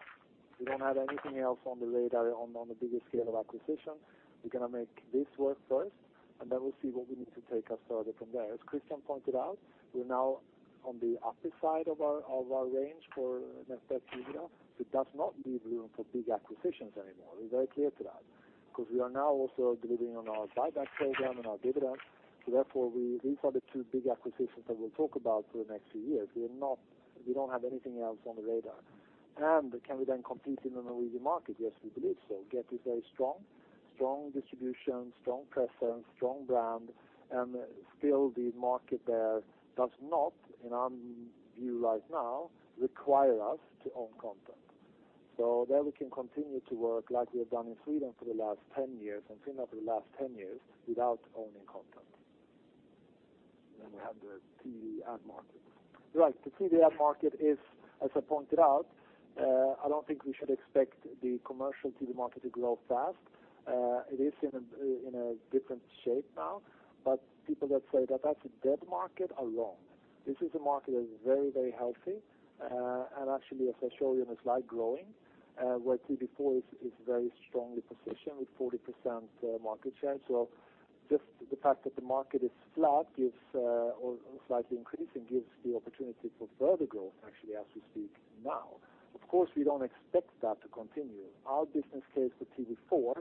We don't have anything else on the radar on the bigger scale of acquisition. We're going to make this work first, and then we'll see what we need to take us further from there. As Christian pointed out, we're now on the upper side of our range for next year. It does not leave room for big acquisitions anymore. We're very clear to that. We are now also delivering on our buyback program and our dividend. Therefore, these are the two big acquisitions that we'll talk about for the next few years. We don't have anything else on the radar. Can we then compete in a Norwegian market? Yes, we believe so. Get is very strong. Strong distribution, strong presence, strong brand, and still the market there does not, in our view right now, require us to own content. There we can continue to work like we have done in Sweden for the last 10 years and Finland for the last 10 years without owning content. We have the TV ad market. Right. The TV ad market is, as I pointed out, I don't think we should expect the commercial TV market to grow fast. It is in a different shape now, people that say that that's a dead market are wrong. This is a market that is very healthy, and actually, as I show you in a slide, growing, where TV4 is very strongly positioned with 40% market share. Just the fact that the market is flat or slightly increasing gives the opportunity for further growth actually as we speak now. We don't expect that to continue. Our business case for TV4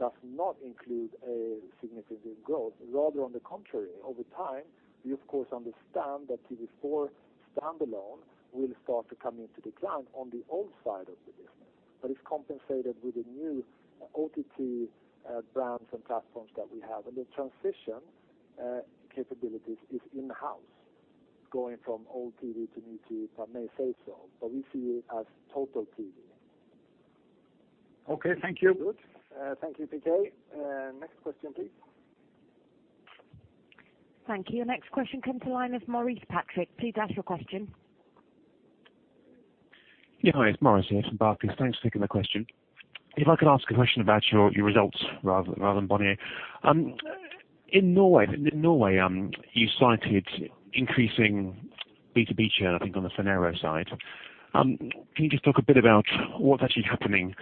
does not include a significant growth. Rather on the contrary, over time, we of course understand that TV4 standalone will start to come into decline on the old side of the business. It's compensated with the new OTT brands and platforms that we have, and the transition capabilities is in-house, going from old TV to new TV, if I may say so, but we see it as total TV. Okay. Thank you. Good. Thank you, PK. Next question, please. Thank you. Next question comes to line with Maurice Patrick, please ask your question. Hi, it's Maurice here from Barclays. Thanks for taking the question. If I could ask a question about your results rather than Bonnier. In Norway, you cited increasing B2B churn, I think on the Phonero side. Can you just talk a bit about what's actually happening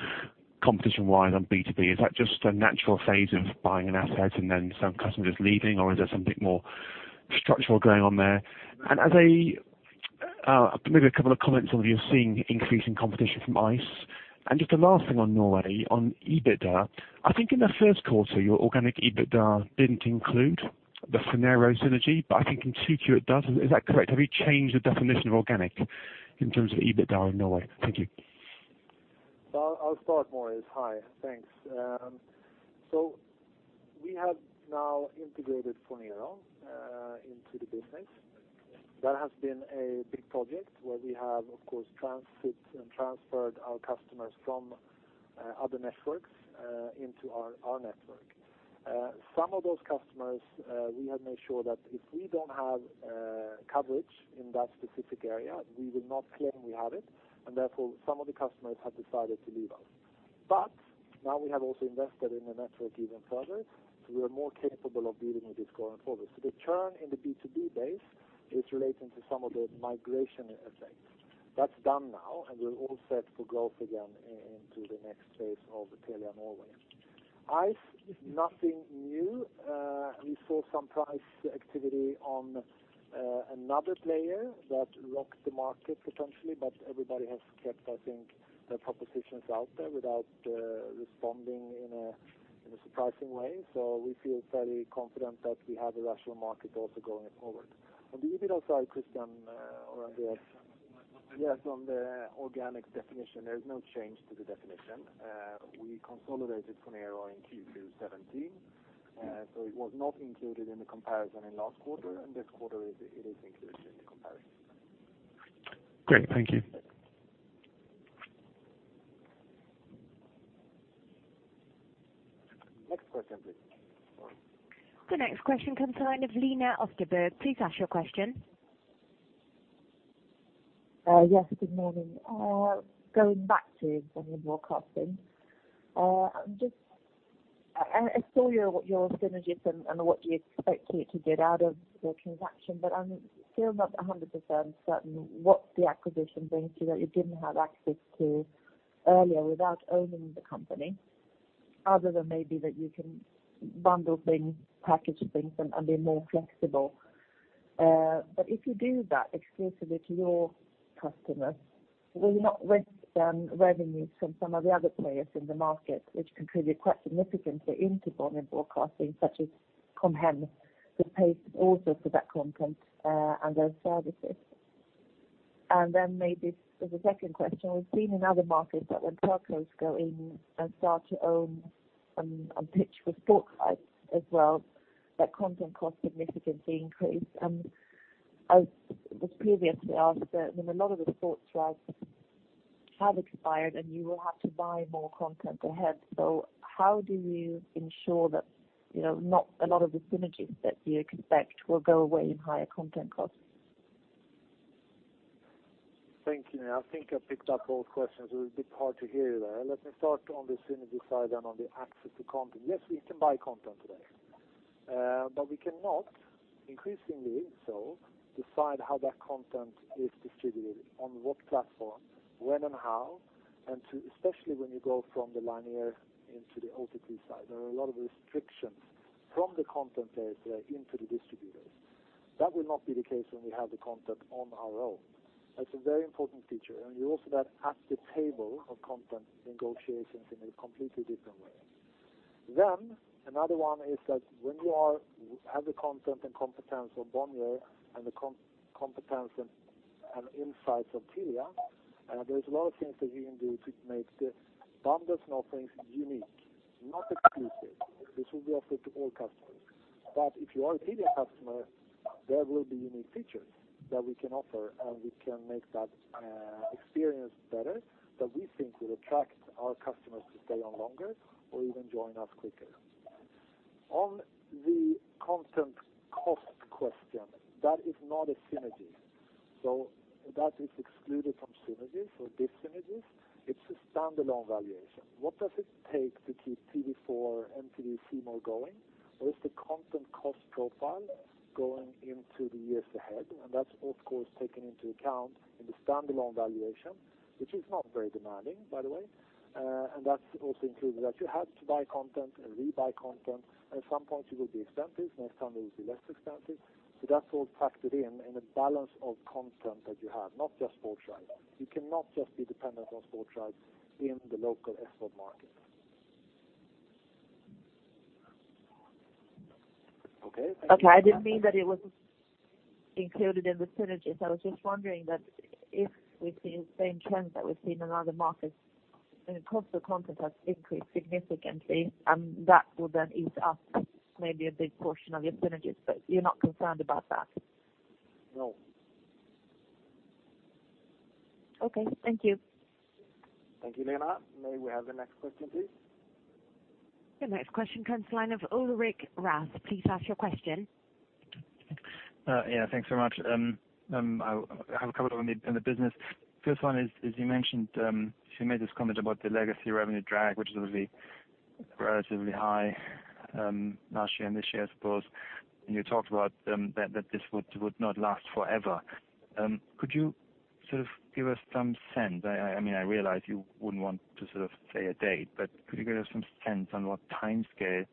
competition-wise on B2B? Is that just a natural phase of buying an asset and then some customers leaving, or is there something more structural going on there? As a maybe a couple of comments, some of you are seeing increasing competition from ice. Just the last thing on Norway, on EBITDA, I think in the first quarter, your organic EBITDA didn't include the Phonero synergy, but I think in 2Q it does. Is that correct? Have you changed the definition of organic in terms of EBITDA in Norway? Thank you. I'll start, Maurice. Hi. Thanks. We have now integrated Phonero into the business. That has been a big project where we have, of course, transferred our customers from other networks into our network. Some of those customers, we have made sure that if we don't have coverage in that specific area, we will not claim we have it, and therefore, some of the customers have decided to leave us. Now we have also invested in the network even further, so we are more capable of dealing with this going forward. The churn in the B2B base is relating to some of the migration effects. That's done now, and we're all set for growth again into the next phase of Telia Norway. ice is nothing new. We saw some price activity on another player that rocked the market potentially, everybody has kept, I think, their propositions out there without responding in a surprising way. We feel fairly confident that we have a rational market also going forward. On the EBITDA side, Christian around the Yes. Yes, on the organic definition, there is no change to the definition. We consolidated Phonero in Q2 2017. It was not included in the comparison in last quarter, and this quarter it is included in the comparison. Great. Thank you. Next question, please. The next question comes line of Lina Östberg. Please ask your question. Yes, good morning. Going back to Bonnier Broadcasting. I saw your synergies and what you expect to get out of the transaction, I'm still not 100% certain what the acquisition brings to you that you didn't have access to earlier without owning the company. Other than maybe that you can bundle things, package things, and be more flexible. If you do that exclusively to your customers, will you not risk then revenues from some of the other players in the market, which contribute quite significantly into Bonnier Broadcasting, such as Com Hem, who pays also for that content and those services? Maybe as a second question, we've seen in other markets that when telcos go in and start to own and pitch for sports rights as well, that content costs significantly increase. As was previously asked, a lot of the sports rights have expired, and you will have to buy more content ahead. How do you ensure that a lot of the synergies that you expect will go away in higher content costs? Thank you. I think I picked up both questions. It was a bit hard to hear you there. Let me start on the synergy side and on the access to content. Yes, we can buy content today. We cannot, increasingly so, decide how that content is distributed, on what platform, when and how, and especially when you go from the linear into the OTT side. There are a lot of restrictions from the content players there into the distributors. That will not be the case when we have the content on our own. That's a very important feature, and you're also then at the table of content negotiations in a completely different way. Another one is that when you have the content and competence of Bonnier and the competence and insights of Telia, there's a lot of things that you can do to make the bundles and offerings unique, not exclusive. This will be offered to all customers. If you are a Telia customer, there will be unique features that we can offer, and we can make that experience better, that we think will attract our customers to stay on longer or even join us quicker. On the content cost question, that is not a synergy. That is excluded from synergies or dis-synergies. It's a standalone valuation. What does it take to keep TV4 and C More going? What is the content cost profile going into the years ahead? That's, of course, taken into account in the standalone valuation, which is not very demanding, by the way. That also includes that you have to buy content and rebuy content, and at some point it will be expensive, next time it will be less expensive. That's all factored in a balance of content that you have, not just sports rights. You cannot just be dependent on sports rights in the local SVOD market. Okay. Okay. I didn't mean that it was included in the synergies. I was just wondering that if we see the same trend that we've seen in other markets, and the cost of content has increased significantly, and that will then eat up maybe a big portion of your synergies. You're not concerned about that? No. Okay. Thank you. Thank you, Lina. May we have the next question, please? The next question comes line of Ulrich Rathe. Please ask your question. Yeah. Thanks very much. I have a couple on the business. First one is, as you mentioned, you made this comment about the legacy revenue drag, which is obviously relatively high last year and this year, I suppose. You talked about that this would not last forever. Could you give us some sense, I realize you wouldn't want to say a date, but could you give some sense on what timescale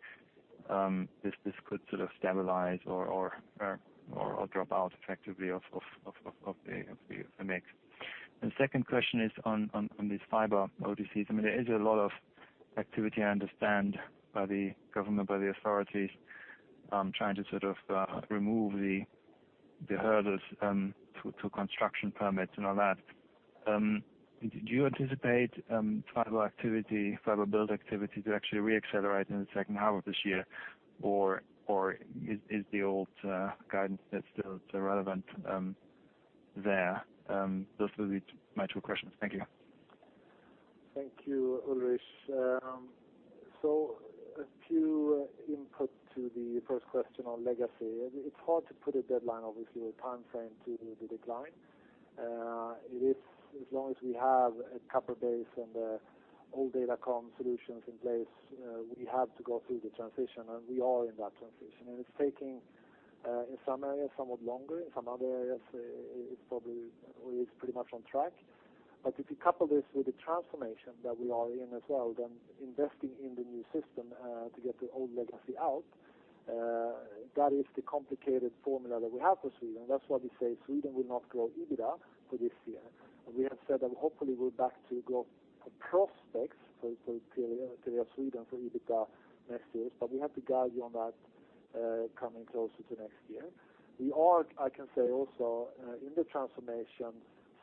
this could stabilize or drop out effectively off the mix? Second question is on this fiber, OTT. There is a lot of activity, I understand, by the government, by the authorities, trying to remove the hurdles to construction permits and all that. Do you anticipate fiber build activity to actually re-accelerate in the second half of this year, or is the old guidance that's still relevant there? Those would be my two questions. Thank you. Thank you, Ulrich. A few input to the first question on legacy. It's hard to put a deadline, obviously, or a timeframe to the decline. As long as we have a copper base and the old Datacom solutions in place, we have to go through the transition, and we are in that transition. It's taking, in some areas, somewhat longer. In some other areas, it's pretty much on track. If you couple this with the transformation that we are in as well, then investing in the new system to get the old legacy out, that is the complicated formula that we have for Sweden. That's why we say Sweden will not grow EBITDA for this year. We have said that hopefully we're back to growth prospects for Telia Sweden for EBITDA next year, but we have to guide you on that coming closer to next year. We are, I can say also, in the transformation,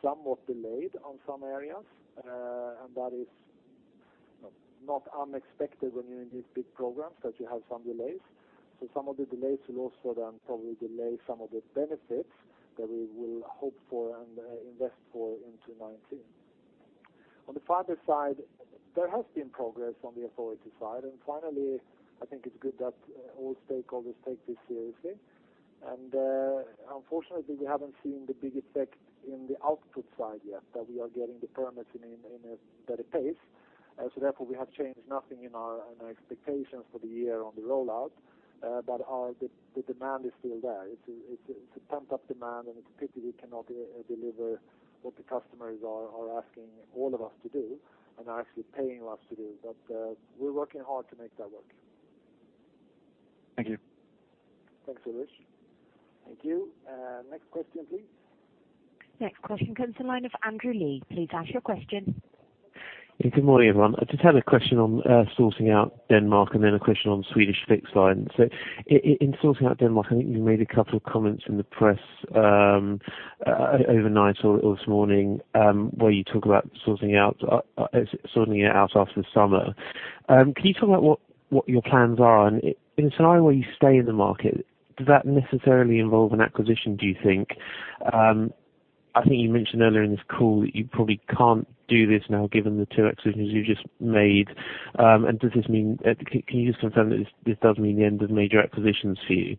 somewhat delayed on some areas, and that is not unexpected when you're in these big programs, that you have some delays. Some of the delays will also then probably delay some of the benefits that we will hope for and invest for into 2019. On the fiber side, there has been progress on the authority side, and finally, I think it's good that all stakeholders take this seriously. Unfortunately, we haven't seen the big effect in the output side yet, that we are getting the permits in a better pace. Therefore, we have changed nothing in our guidance expectations for the year on the rollout, but the demand is still there. It's a pent-up demand, and it's a pity we cannot deliver what the customers are asking all of us to do and are actually paying us to do. We're working hard to make that work. Thank you. Thanks, Ulrich. Thank you. Next question please. Next question comes to the line of Andrew Lee. Please ask your question. Good morning, everyone. I just had a question on sorting out Denmark and then a question on Swedish fixed line. In sorting out Denmark, I think you made a couple of comments in the press overnight or this morning, where you talk about sorting it out after the summer. Can you talk about what your plans are? In a scenario where you stay in the market, does that necessarily involve an acquisition, do you think? I think you mentioned earlier in this call that you probably can't do this now given the two acquisitions you just made. Can you just confirm that this does mean the end of major acquisitions for you?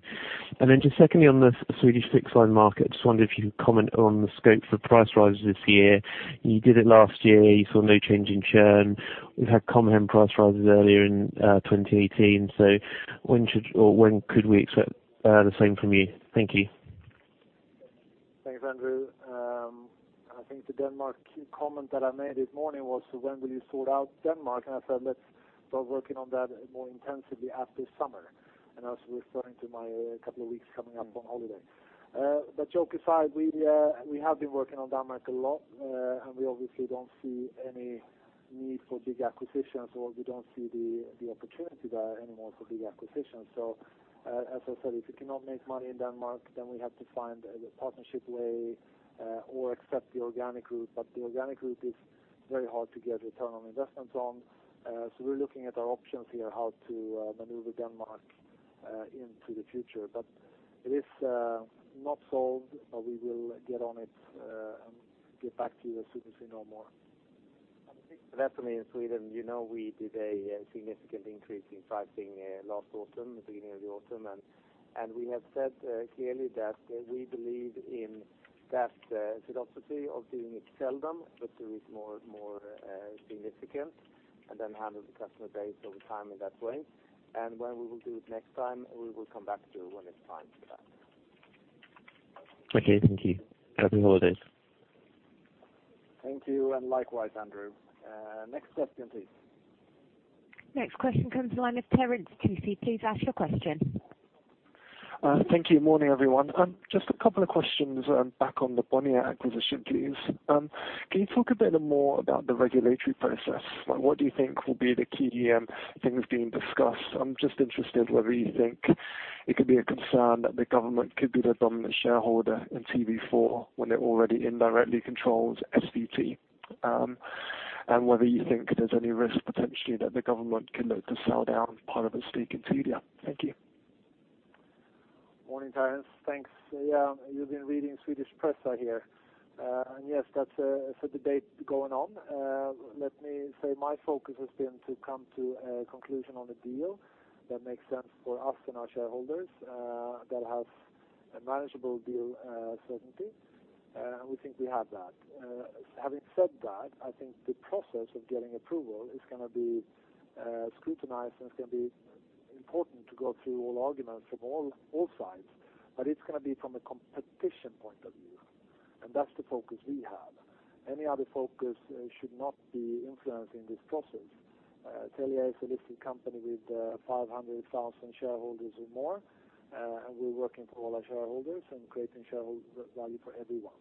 Just secondly, on the Swedish fixed line market, I just wonder if you could comment on the scope for price rises this year. You did it last year. You saw no change in churn. We've had Com Hem price rises earlier in 2018. When could we expect the same from you? Thank you. Thanks, Andrew. I think the Denmark comment that I made this morning was, when will you sort out Denmark? I said, "Let's start working on that more intensively after summer." I was referring to my couple of weeks coming up on holiday. Joke aside, we have been working on Denmark a lot, and we obviously don't see any need for big acquisitions, or we don't see the opportunity there anymore for big acquisitions. As I said, if we cannot make money in Denmark, we have to find the partnership way, or accept the organic route. The organic route is very hard to get return on investments on. We're looking at our options here, how to maneuver Denmark into the future. It is not solved, we will get on it, get back to you as soon as we know more. I think for that to me in Sweden, you know we did a significant increase in pricing last autumn, the beginning of the autumn. We have said clearly that we believe in that philosophy of doing it seldom, do it more significant, handle the customer base over time in that way. When we will do it next time, we will come back to you when it's time for that. Okay. Thank you. Happy holidays. Thank you, likewise, Andrew. Next question please. Next question comes to the line of Terence Tsui. Please ask your question. Thank you. Morning, everyone. Just a couple of questions back on the Bonnier acquisition, please. Can you talk a bit more about the regulatory process? What do you think will be the key things being discussed? I'm just interested whether you think it could be a concern that the government could be the dominant shareholder in TV4 when it already indirectly controls SVT. Whether you think there's any risk potentially that the government can look to sell down part of its stake in Telia. Thank you. Morning, Terence. Thanks. Yeah, you've been reading Swedish press, I hear. Yes, that's a debate going on. Let me say my focus has been to come to a conclusion on the deal that makes sense for us and our shareholders, that has a manageable deal certainty, and we think we have that. Having said that, I think the process of getting approval is going to be scrutinized, and it's going to be important to go through all arguments from all sides. It's going to be from a competition point of view, and that's the focus we have. Any other focus should not be influencing this process. Telia is a listed company with 500,000 shareholders or more, and we're working for all our shareholders and creating shareholder value for everyone.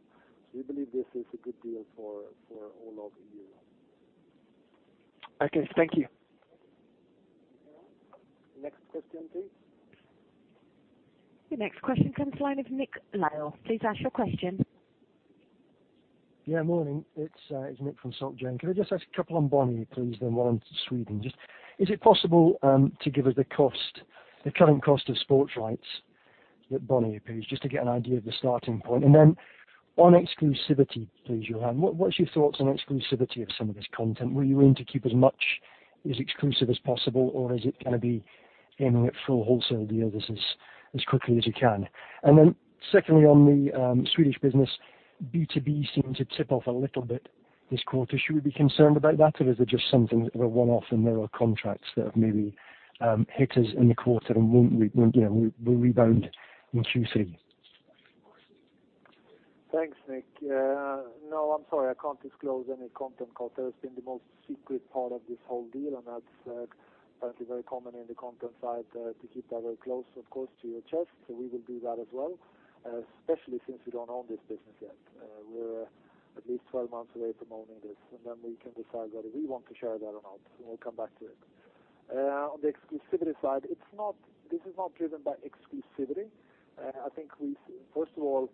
We believe this is a good deal for all of Europe. Okay. Thank you. Next question, please. The next question comes to the line with Nick Lyall. Please ask your question. Morning. It is Nick from SocGen. Can I just ask a couple on Bonnier, please, then one on Sweden. Is it possible to give us the current cost of sports rights at Bonnier, please? To get an idea of the starting point. On exclusivity, please, Johan, what is your thoughts on exclusivity of some of this content? Were you in to keep as much as exclusive as possible, or is it going to be aiming at full wholesale deal this as quickly as you can? Secondly, on the Swedish business, B2B seemed to tip off a little bit this quarter. Should we be concerned about that, or is it just something of a one-off and there are contracts that have maybe hit us in the quarter and will rebound in Q3? Thanks, Nick. I am sorry, I cannot disclose any content cost. That has been the most secret part of this whole deal, and that is apparently very common in the content side, to keep that very close, of course, to your chest. We will do that as well, especially since we do not own this business yet. We are at least 12 months away from owning this, and then we can decide whether we want to share that or not, and we will come back to it. On the exclusivity side, this is not driven by exclusivity. I think first of all,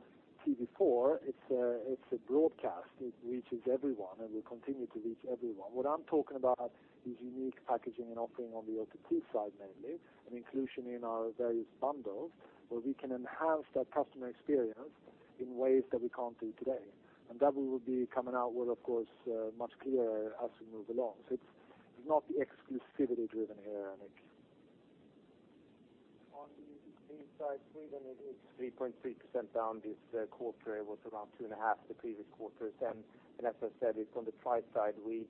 TV4, it is a broadcast. It reaches everyone, and will continue to reach everyone. What I am talking about is unique packaging and offering on the OTT side mainly, and inclusion in our various bundles, where we can enhance that customer experience in ways that we cannot do today. That we will be coming out with, of course, much clearer as we move along. It is not exclusivity driven here, Nick. On the TV side, Sweden is 3.3% down this quarter. It was around 2.5 the previous quarters. As I said, it is on the price side. We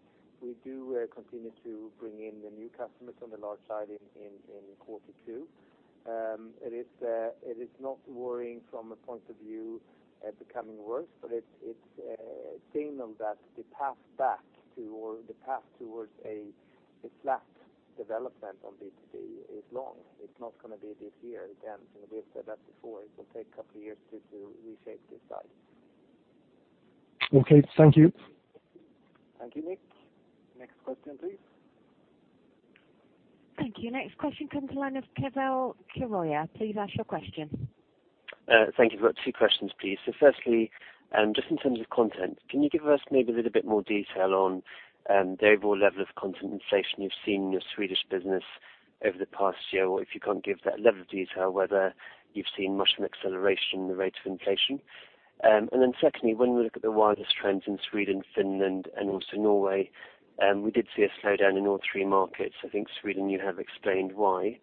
do continue to bring in the new customers on the large side in Q2. It is not worrying from a point of view becoming worse, but it is a signal that the path back to, or the path towards a flat development on B2C is long. It is not going to be this year. Again, we have said that before. It will take a couple of years to reshape this side. Okay. Thank you. Thank you, Nick. Next question, please. Thank you. Next question comes the line of Keval Khiroya. Please ask your question. Thank you. I've got two questions, please. Firstly, just in terms of content, can you give us maybe a little bit more detail on the overall level of content inflation you've seen in your Swedish business over the past year? Or if you can't give that level of detail, whether you've seen much of an acceleration in the rate of inflation. Secondly, when we look at the widest trends in Sweden, Finland, and also Norway, we did see a slowdown in all three markets. I think Sweden, you have explained why.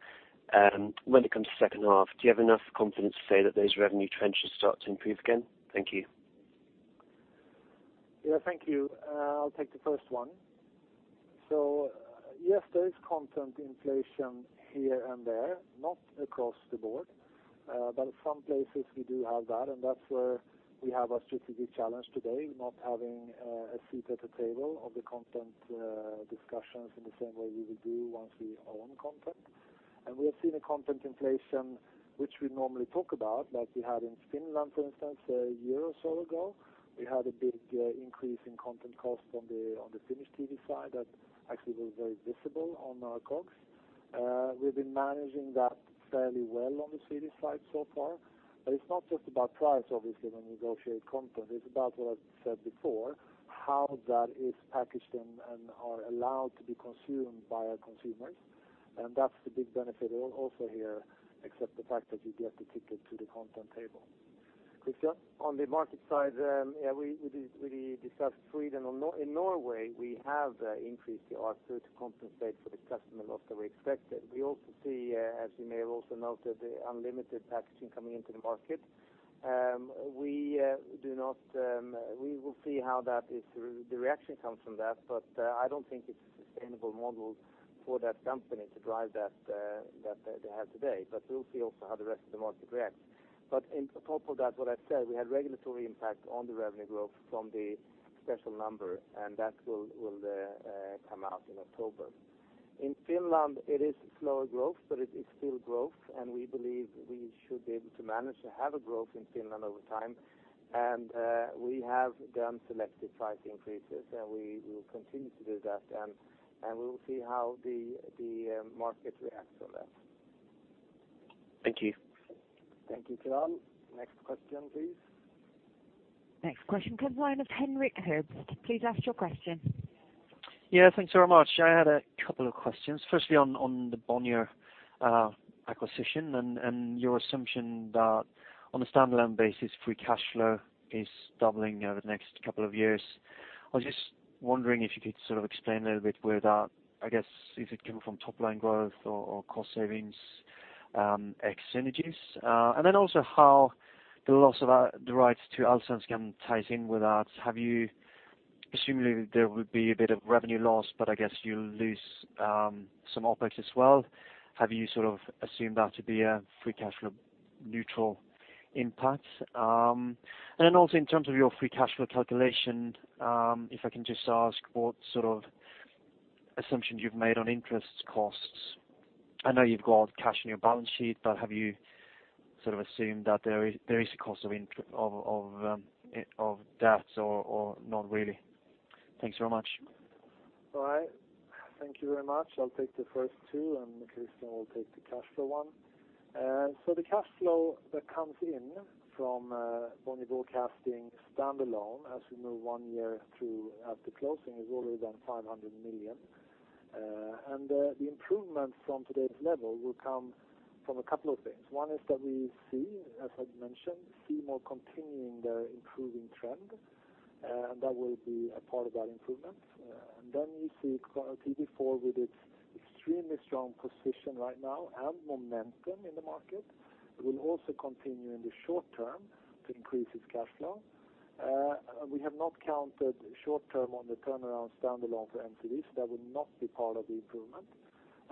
When it comes to second half, do you have enough confidence to say that those revenue trends should start to improve again? Thank you. Yeah, thank you. I'll take the first one. Yes, there is content inflation here and there, not across the board. In some places we do have that, and that's where we have a strategic challenge today, not having a seat at the table of the content discussions in the same way we would do once we own content. We have seen a content inflation, which we normally talk about, like we had in Finland, for instance, a year or so ago. We had a big increase in content cost on the Finnish TV side that actually was very visible on our costs. We've been managing that fairly well on the CD side so far. It's not just about price, obviously, when we negotiate content. It's about what I've said before, how that is packaged and are allowed to be consumed by our consumers. That is the big benefit also here, except the fact that you get the ticket to the content table. Christian? On the market side, yeah, we discussed Sweden. In Norway, we have increased the ARPU to compensate for the customer loss that we expected. We also see, as you may have also noted, the unlimited packaging coming into the market. We will see how the reaction comes from that, but I don't think it's a sustainable model for that company to drive that they have today. We will see also how the rest of the market reacts. On top of that, what I've said, we had regulatory impact on the revenue growth from the special number, and that will come out in October. In Finland, it is slower growth, but it is still growth, and we believe we should be able to manage to have a growth in Finland over time. We have done selective price increases, and we will continue to do that, and we will see how the market reacts to that. Thank you. Thank you, Keval. Next question, please. Next question comes the line of Henrik Herbst. Please ask your question. Yeah, thanks very much. I had a couple of questions. Firstly, on the Bonnier acquisition and your assumption that on a standalone basis, free cash flow is doubling over the next couple of years. I was just wondering if you could sort of explain a little bit where that, I guess is it coming from top-line growth or cost savings, ex synergies? And then also how the loss of the rights to Allsvenskan ties in with that. Presumably there would be a bit of revenue loss, but I guess you lose some OpEx as well. Have you sort of assumed that to be a free cash flow neutral impact? And then also in terms of your free cash flow calculation, if I can just ask what sort of assumptions you've made on interest costs. I know you've got cash on your balance sheet, have you sort of assumed that there is a cost of debt or not really? Thanks very much. All right. Thank you very much. I'll take the first two, Christian will take the cash flow one. The cash flow that comes in from Bonnier Broadcasting standalone as we move one year through after closing is already done 500 million. The improvement from today's level will come from a couple of things. One is that we see, as I mentioned, C More continuing their improving trend, and that will be a part of that improvement. You see TV4 with its extremely strong position right now and momentum in the market. It will also continue in the short term to increase its cash flow. We have not counted short term on the turnaround standalone for MTV, that will not be part of the improvement.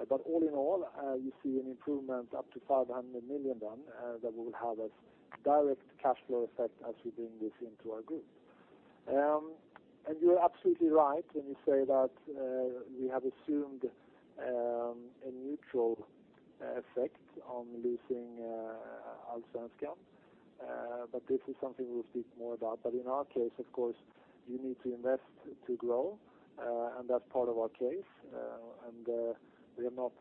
All in all, you see an improvement up to 500 million then, that will have a direct cash flow effect as we bring this into our group. You're absolutely right when you say that we have assumed a neutral effect on losing Allsvenskan, this is something we'll speak more about. In our case, of course, you need to invest to grow, and that's part of our case. We've not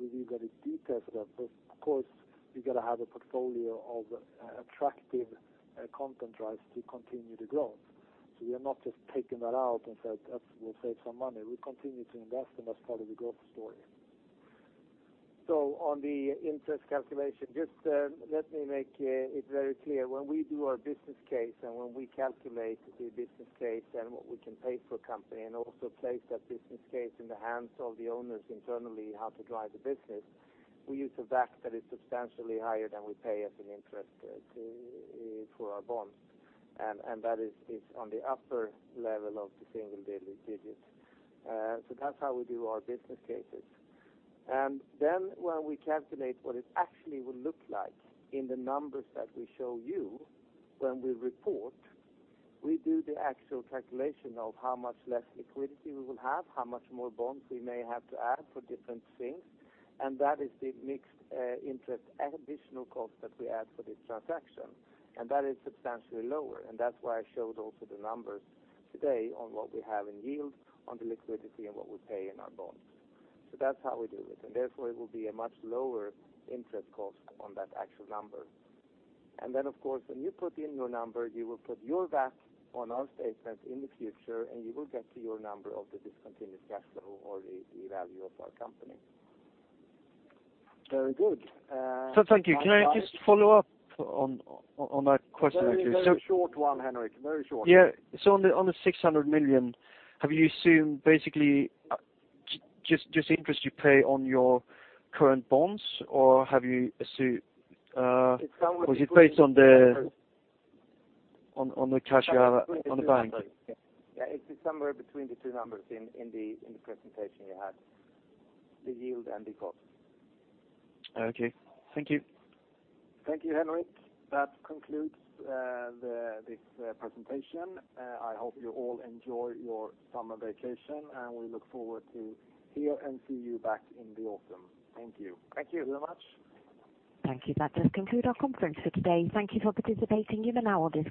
revealed any details of that, but of course, you got to have a portfolio of attractive content rights to continue to grow. We are not just taking that out and say that we'll save some money. We continue to invest, and that's part of the growth story. On the interest calculation, just let me make it very clear. When we do our business case and when we calculate the business case and what we can pay for a company and also place that business case in the hands of the owners internally how to drive the business, we use a WACC that is substantially higher than we pay as an interest for our bonds. That is on the upper level of the single digits. That's how we do our business cases. When we calculate what it actually will look like in the numbers that we show you when we report, we do the actual calculation of how much less liquidity we will have, how much more bonds we may have to add for different things, and that is the mixed interest additional cost that we add for this transaction. That is substantially lower, and that's why I showed also the numbers today on what we have in yield on the liquidity and what we pay in our bonds. That's how we do it, and therefore it will be a much lower interest cost on that actual number. Then, of course, when you put in your number, you will put your VAT on our statement in the future, and you will get to your number of the discontinued cash flow or the value of our company. Very good. Thank you. Can I just follow up on that question? Very short one, Henrik. Very short. Yeah. On the 600 million, have you assumed basically just interest you pay on your current bonds, or have you assumed? It's somewhere between. Is it based on the cash you have on the bank? Yeah, it is somewhere between the two numbers in the presentation you had, the yield and the cost. Okay. Thank you. Thank you, Henrik. That concludes this presentation. I hope you all enjoy your summer vacation, and we look forward to hear and see you back in the autumn. Thank you. Thank you very much. Thank you. That does conclude our conference for today. Thank you for participating. You may now disconnect.